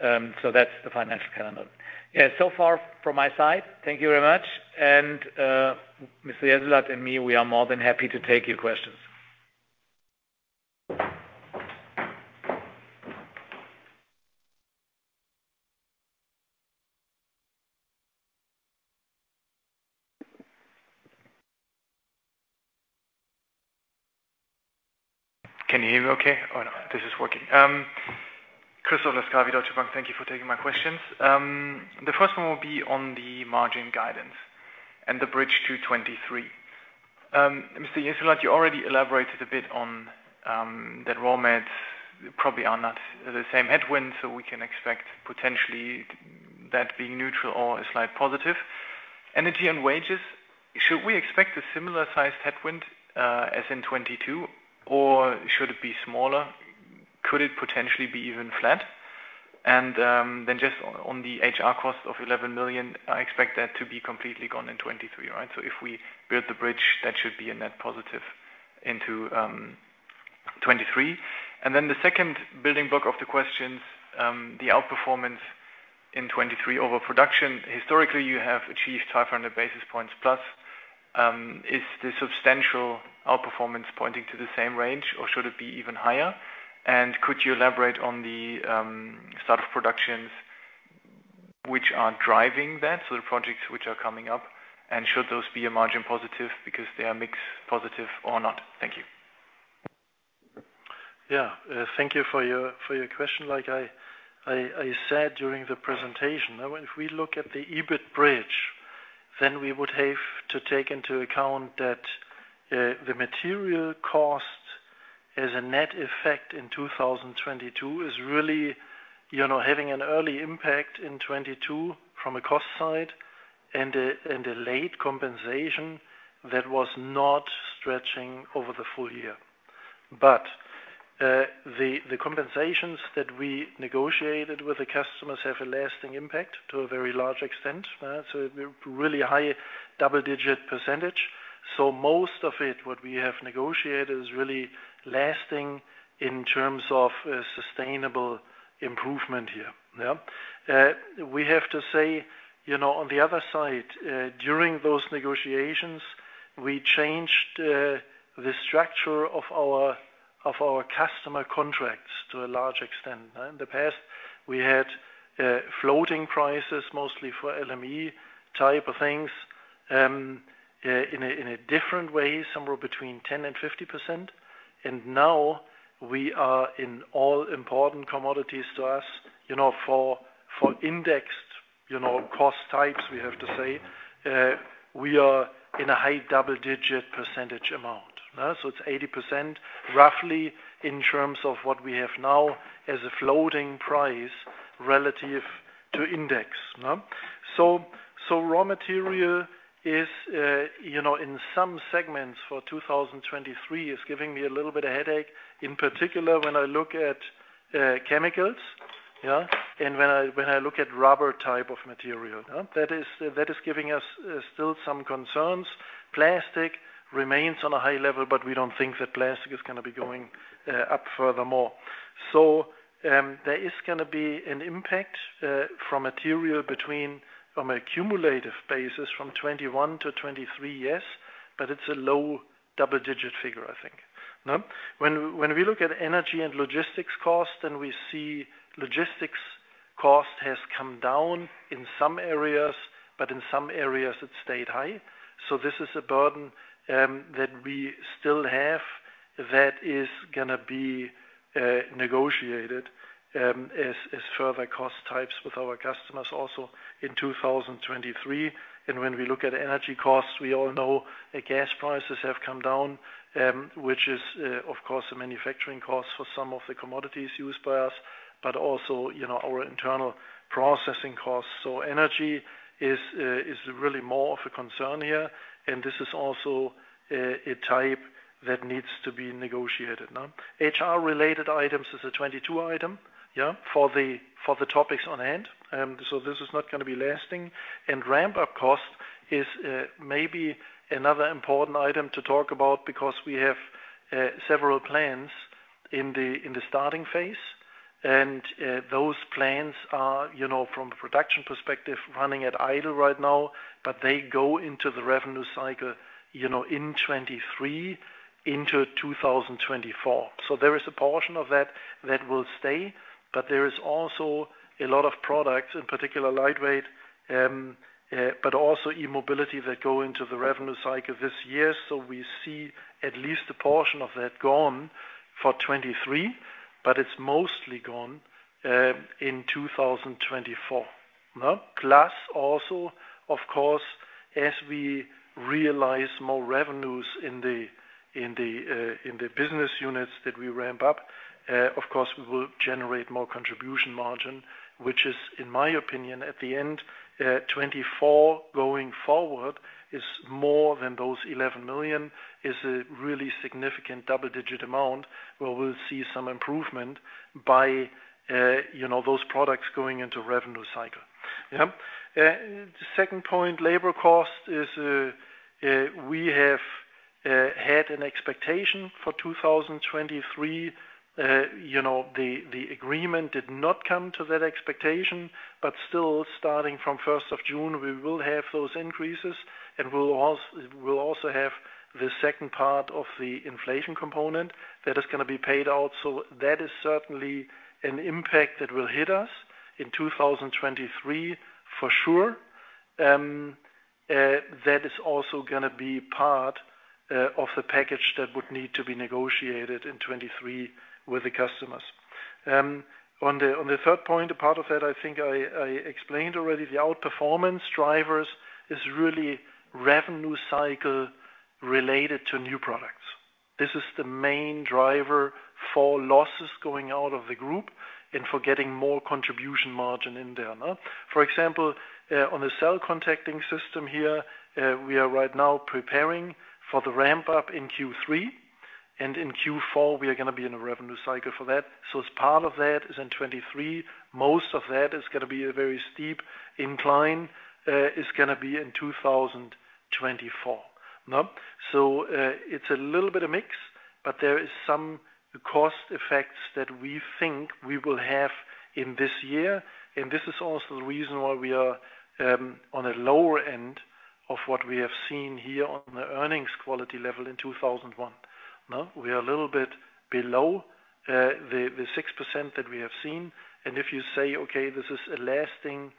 That's the financial calendar. Yeah. Far from my side. Thank you very much. Mr. Jessulat and me, we are more than happy to take your questions. Can you hear me okay or no? This is working. Christoph Schlienkamp, Deutsche Bank. Thank you for taking my questions. The first one will be on the margin guidance and the bridge to 23. Mr. Jesulat, you already elaborated a bit on that raw mats probably are not the same headwind, we can expect potentially that being neutral or a slight positive. Energy and wages, should we expect a similar sized headwind as in 22, or should it be smaller? Could it potentially be even flat? Just on the HR cost of 11 million, I expect that to be completely gone in 23, right? If we build the bridge, that should be a net positive into 23. The second building block of the questions, the outperformance in 23 over production. Historically, you have achieved 500 basis points plus. Is the substantial outperformance pointing to the same range or should it be even higher? Could you elaborate on the start of productions which are driving that, so the projects which are coming up, and should those be a margin positive because they are mix positive or not? Thank you. Yeah. Thank you for your question. Like I said during the presentation, I mean, if we look at the EBIT bridge, we would have to take into account that the material costs As a net effect in 2022 is really, you know, having an early impact in 22 from a cost side and a late compensation that was not stretching over the full year. The compensations that we negotiated with the customers have a lasting impact to a very large extent. Really high double-digit %. Most of it, what we have negotiated, is really lasting in terms of sustainable improvement here. Yeah. We have to say, you know, on the other side, during those negotiations, we changed the structure of our customer contracts to a large extent. In the past, we had floating prices, mostly for LME type of things, in a different way, somewhere between 10% and 50%. Now we are in all important commodities to us. You know, for indexed, you know, cost types, we have to say, we are in a high double-digit percentage amount. So it's 80% roughly in terms of what we have now as a floating price relative to index. Raw material is, you know, in some segments for 2023 is giving me a little bit of headache. In particular, when I look at chemicals, yeah, and when I look at rubber type of material. Yeah. That is giving us still some concerns. Plastic remains on a high level, but we don't think that plastic is gonna be going up furthermore. There is gonna be an impact from material between, from a cumulative basis from 21 to 23, yes, but it's a low double-digit figure, I think. No? When we look at energy and logistics costs, then we see logistics cost has come down in some areas, but in some areas it stayed high. This is a burden that we still have that is gonna be negotiated as further cost types with our customers also in 2023. When we look at energy costs, we all know that gas prices have come down, which is, of course, the manufacturing costs for some of the commodities used by us, but also, you know, our internal processing costs. Energy is really more of a concern here, and this is also a type that needs to be negotiated, no? HR related items is a 22 item, for the topics on hand. This is not gonna be lasting. Ramp-up cost is maybe another important item to talk about because we have several plans in the starting phase. Those plans are, you know, from a production perspective, running at idle right now, but they go into the revenue cycle, you know, in 2023 into 2024. There is a portion of that that will stay. There is also a lot of products, in particular lightweight, but also e-mobility that go into the revenue cycle this year. We see at least a portion of that gone for 2023, but it's mostly gone in 2024. No? Also, of course, as we realize more revenues in the in the business units that we ramp up, of course, we will generate more contribution margin. Which is, in my opinion, at the end, 2024 going forward is more than those 11 million. Is a really significant double-digit amount where we'll see some improvement by, you know, those products going into revenue cycle. Yeah. The second point, labor cost is, we have had an expectation for 2023. You know, the agreement did not come to that expectation. Still starting from 1st of June, we will have those increases, and we'll also have the second part of the inflation component that is going to be paid out. That is certainly an impact that will hit us in 2023 for sure. That is also going to be part of the package that would need to be negotiated in 23 with the customers. On the, on the third point, a part of that, I explained already, the outperformance drivers is really revenue cycle related to new products. This is the main driver for losses going out of the group and for getting more contribution margin in there. No? For example, on the cell contacting systems here, we are right now preparing for the ramp-up in Q3, and in Q4, we are gonna be in a revenue cycle for that. As part of that is in 2023, most of that is gonna be a very steep incline, is gonna be in 2024. It's a little bit of mix, but there is some cost effects that we think we will have in this year. This is also the reason why we are on a lower end of what we have seen here on the earnings quality level in 2001. We are a little bit below the 6% that we have seen. If you say, "Okay, this is a lasting,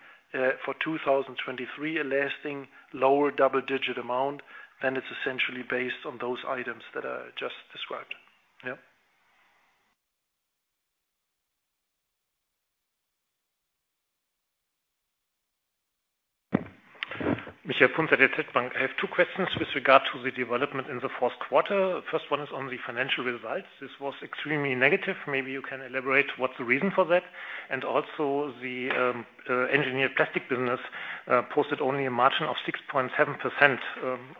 for 2023, a lasting lower double-digit amount," it's essentially based on those items that I just described. Yeah. Michael Punzet. I have two questions with regard to the development in the fourth quarter. First one is on the financial results. This was extremely negative. Maybe you can elaborate what's the reason for that. Also the engineered plastic business posted only a margin of 6.7%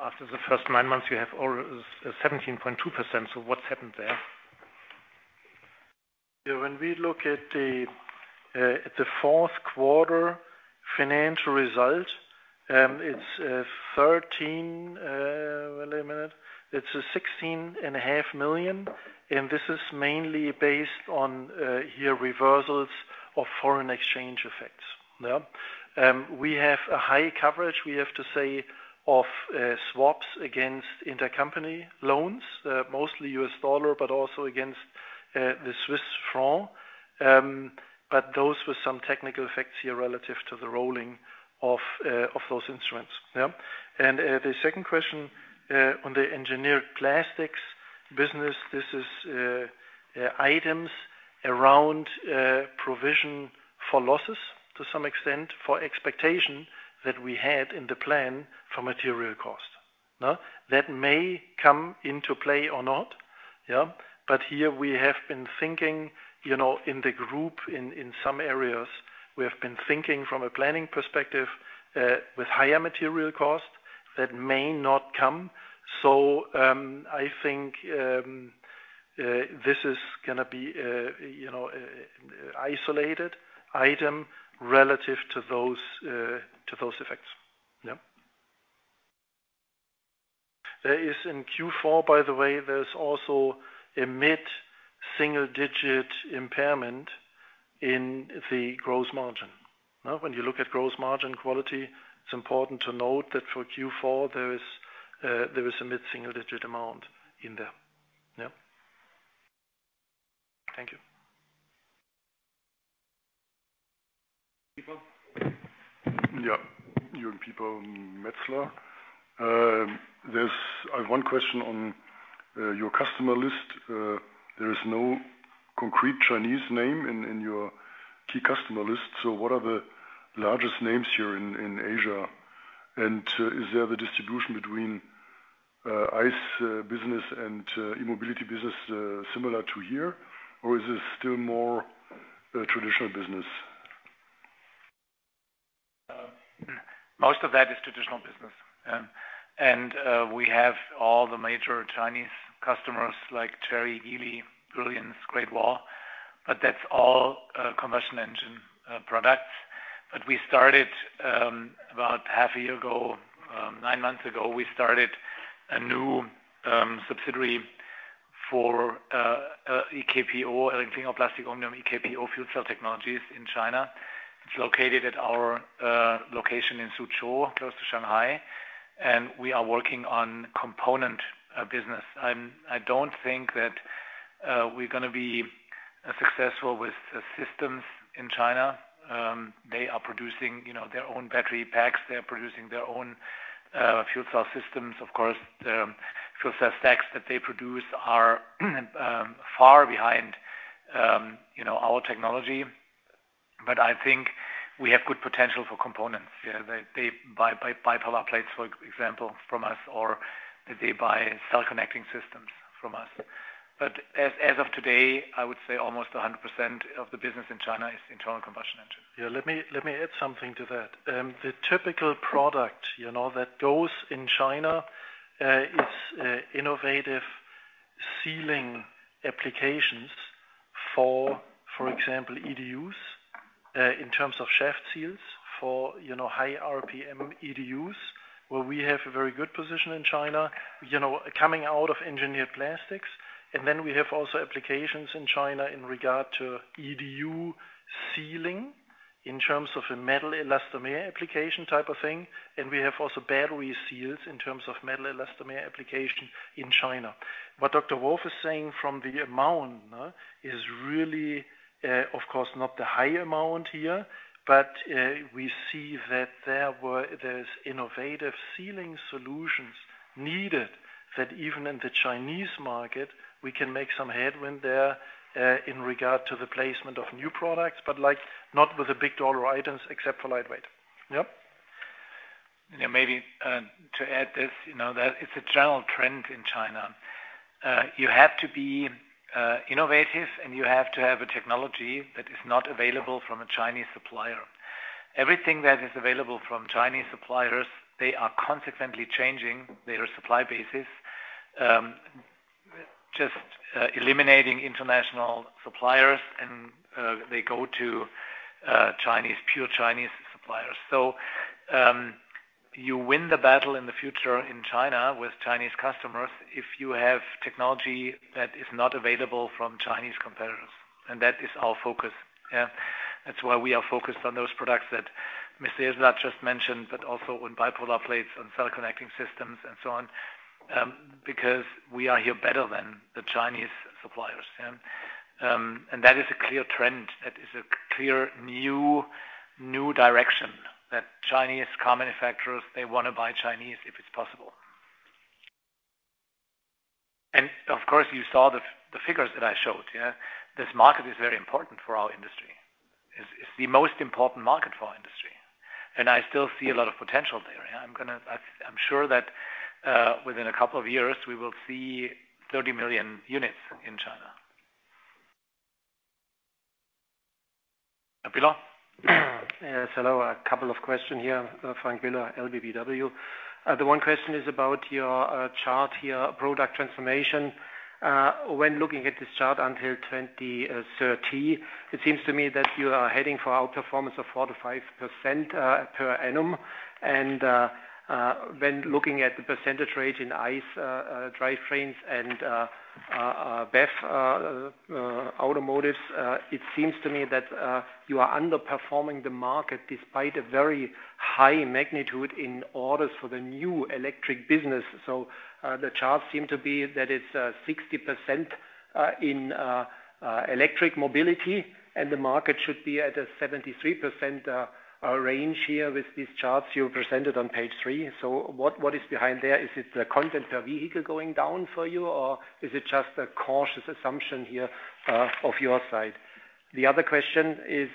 after the first nine months you have all, 17.2%. What's happened there? Yeah, when we look at the at the fourth quarter financial result, it's 13, wait a minute. It's sixteen and a half million, and this is mainly based on here reversals of foreign exchange effects. Yeah. We have a high coverage, we have to say, of swaps against intercompany loans, mostly US dollar, but also against the Swiss franc. Those were some technical effects here relative to the rolling of those instruments. Yeah. The second question on the engineered plastics business. This is, yeah, items around provision for losses to some extent, for expectation that we had in the plan for material cost. Now, that may come into play or not. Yeah. Here we have been thinking, you know, in the group, in some areas, we have been thinking from a planning perspective, with higher material costs that may not come. I think, this is gonna be, you know, isolated item relative to those, to those effects. Yeah. There is in Q4, by the way, there's also a mid-single digit impairment in the gross margin. When you look at gross margin quality, it's important to note that for Q4 there is a mid-single digit amount in there. Yeah. Thank you. Pieper? Yeah. Jürgen Pieper Metzler. I have one question on your customer list. There is no concrete Chinese name in your key customer list. What are the largest names here in Asia? Is there the distribution between ICE business and e-mobility business similar to here, or is this still more traditional business? Most of that is traditional business. We have all the major Chinese customers like Chery, Geely, Byton, Great Wall, but that's all combustion engine products. We started about half a year ago, nine months ago, we started a new subsidiary for EKPO, ElringKlinger Plastic Omnium, EKPO Fuel Cell Technologies in China. It's located at our location in Suzhou, close to Shanghai, and we are working on component business. I don't think that we're gonna be successful with systems in China. They are producing, you know, their own battery packs. They are producing their own fuel cell systems. Of course, the fuel cell stacks that they produce are far behind, you know, our technology. I think we have good potential for components. They buy bipolar plates, for example, from us, or they buy cell contacting systems from us. But as of today, I would say almost 100% of the business in China is internal combustion engine. Yeah, let me add something to that. The typical product, you know, that goes in China is innovative sealing applications for example, EDUs, in terms of shaft seals for, you know, high RPM EDUs, where we have a very good position in China. You know, coming out of engineered plastics, and then we have also applications in China in regard to EDU sealing in terms of a metal-elastomer application type of thing. And we have also battery seals in terms of metal-elastomer application in China. What Dr. Wolf is saying from the amount, is really, of course not the high amount here, but we see that there's innovative sealing solutions needed that even in the Chinese market, we can make some headwind there in regard to the placement of new products, but like, not with the big dollar items except for lightweight. Yep. Yeah, maybe, to add this, you know, that it's a general trend in China. You have to be innovative, and you have to have a technology that is not available from a Chinese supplier. Everything that is available from Chinese suppliers, they are consequently changing their supply bases, just eliminating international suppliers and they go to Chinese, pure Chinese suppliers. You win the battle in the future in China with Chinese customers if you have technology that is not available from Chinese competitors. That is our focus. Yeah. That's why we are focused on those products that Mr. Jesulat just mentioned, but also on bipolar plates and cell contacting systems and so on, because we are here better than the Chinese suppliers. Yeah. That is a clear trend. That is a clear new direction that Chinese car manufacturers, they wanna buy Chinese if it's possible. Of course, you saw the figures that I showed, yeah. This market is very important for our industry. It's the most important market for our industry, and I still see a lot of potential there. I'm sure that within a couple of years, we will see 30 million units in China. Bill? Yes, hello. A couple of questions here. Frank Biller, LBBW. The one question is about your chart here, product transformation. When looking at this chart until 2030, it seems to me that you are heading for outperformance of 4%-5% per annum. When looking at the percentage rate in ICE drivetrains and BEV automotives, it seems to me that you are underperforming the market despite a very high magnitude in orders for the new electric business. The charts seem to be that it's 60% in electric mobility, and the market should be at a 73% range here with these charts you presented on page three. What is behind there? Is it the content per vehicle going down for you, or is it just a cautious assumption here, off your side? The other question is,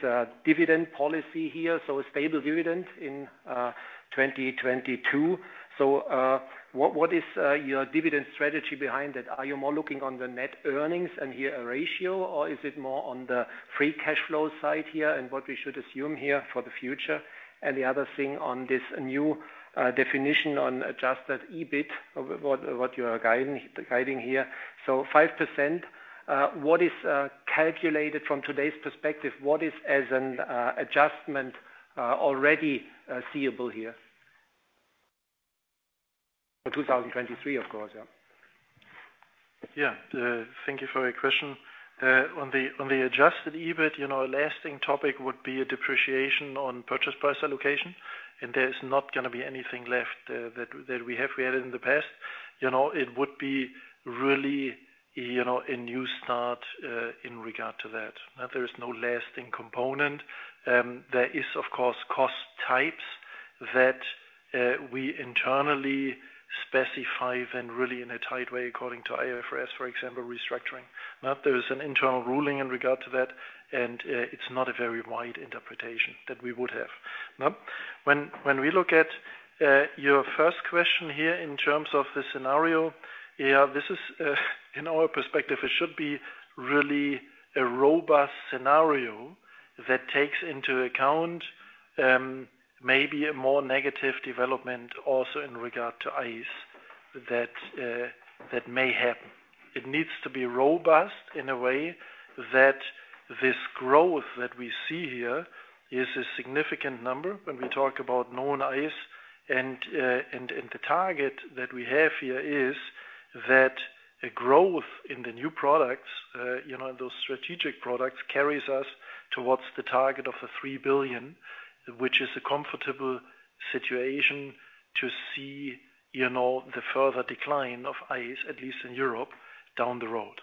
dividend policy here, so a stable dividend in, 2022. What is your dividend strategy behind it? Are you more looking on the net earnings and here a ratio, or is it more on the free cash flow side here, and what we should assume here for the future? The other thing on this new definition on adjusted EBIT of what you are guiding here. 5%, what is calculated from today's perspective? What is as an adjustment already seeable here? For 2023, of course, yeah. Yeah. Thank you for your question. On the, on the adjusted EBIT, you know, a lasting topic would be a depreciation on purchase price allocation. There's not gonna be anything left, that we had in the past. You know, it would be really, you know, a new start, in regard to that. There is no lasting component. There is of course cost types that we internally specify then really in a tight way according to IFRS, for example, restructuring. There is an internal ruling in regard to that, and it's not a very wide interpretation that we would have. Now, when we look at your first question here in terms of the scenario, yeah, this is in our perspective, it should be really a robust scenario that takes into account maybe a more negative development also in regard to ICE that may happen. It needs to be robust in a way that this growth that we see here is a significant number when we talk about non-ICE. The target that we have here is that a growth in the new products, you know, those strategic products, carries us towards the target of the 3 billion, which is a comfortable situation to see, you know, the further decline of ICE, at least in Europe, down the road.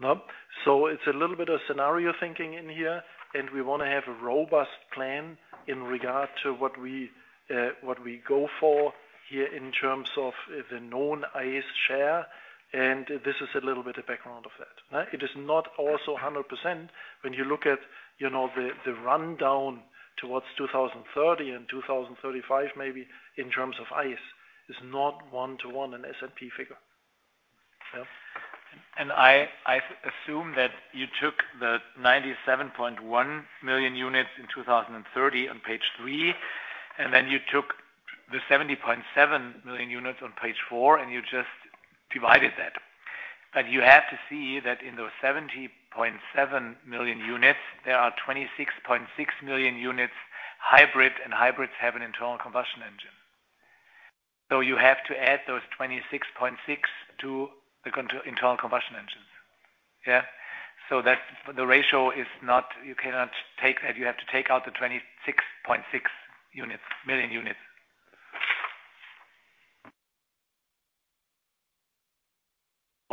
It's a little bit of scenario thinking in here, and we wanna have a robust plan in regard to what we, what we go for here in terms of the known ICE share, and this is a little bit of background of that, right? It is not also 100% when you look at, you know, the rundown towards 2030 and 2035 maybe in terms of ICE. It's not one-to-one an S&P figure. Yeah. I assume that you took the 97.1 million units in 2030 on page three, and then you took the 70.7 million units on page four, and you just divided that. You have to see that in those 70.7 million units, there are 26.6 million units hybrid, and hybrids have an internal combustion engine. You have to add those 26.6 to the internal combustion engines. Yeah. That's, the ratio is not. You cannot take that. You have to take out the 26.6 million units.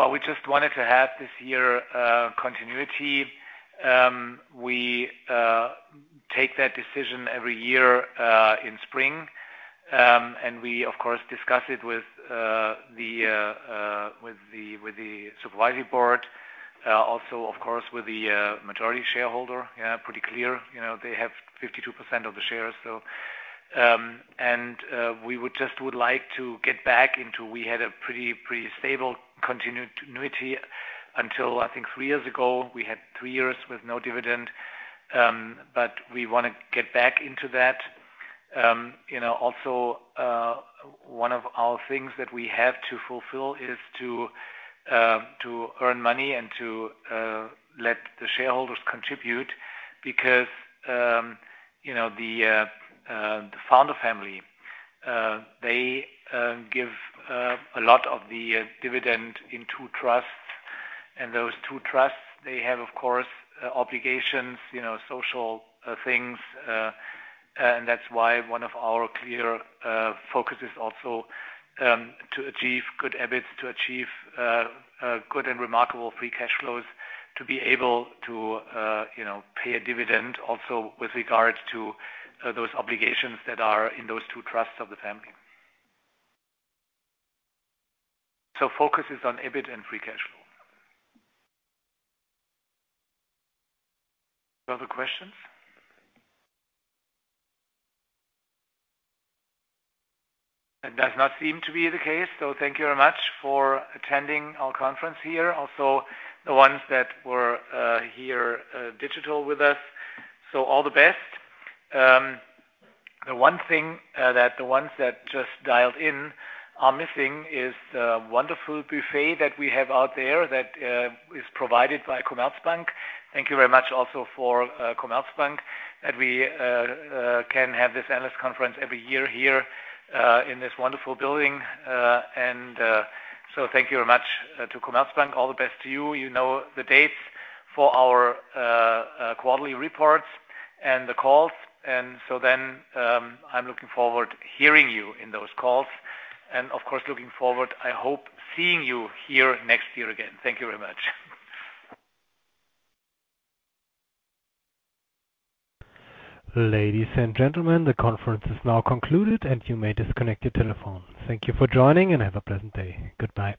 Well, we just wanted to have this year continuity. We take that decision every year in spring. We of course discuss it with the supervisory board, also of course with the majority shareholder. Yeah, pretty clear. You know, they have 52% of the shares. We would just like to get back into. We had a pretty stable continuity until, I think three years ago. We had three years with no dividend, but we wanna get back into that. E of our things that we have to fulfill is to earn money and to let the shareholders contribute because, you know, the founder family, they give a lot of the dividend in two trusts. And those two trusts, they have, of course, obligations, you know, social things. And that's why one of our clear focus is also to achieve good EBIT, to achieve good and remarkable free cash flows, to be able to, you know, pay a dividend also with regards to those obligations that are in those two trusts of the family. So focus is on EBIT and free cash flow. Further questions. That does not seem to be the case, so thank you very much for attending our conference here, also the ones that were here digital with us. All the best. The one thing that the ones that just dialed in are missing is the wonderful buffet that we have out there that is provided by Commerzbank. Thank you very much also for Commerzbank, that we can have this analyst conference every year here in this wonderful building. Thank you very much to Commerzbank. All the best to you. You know the dates for our quarterly reports and the calls. I'm looking forward to hearing you in those calls. Of course, looking forward, I hope, seeing you here next year again. Thank you very much. Ladies and gentlemen, the conference is now concluded, and you may disconnect your telephone. Thank you for joining, and have a pleasant day. Goodbye.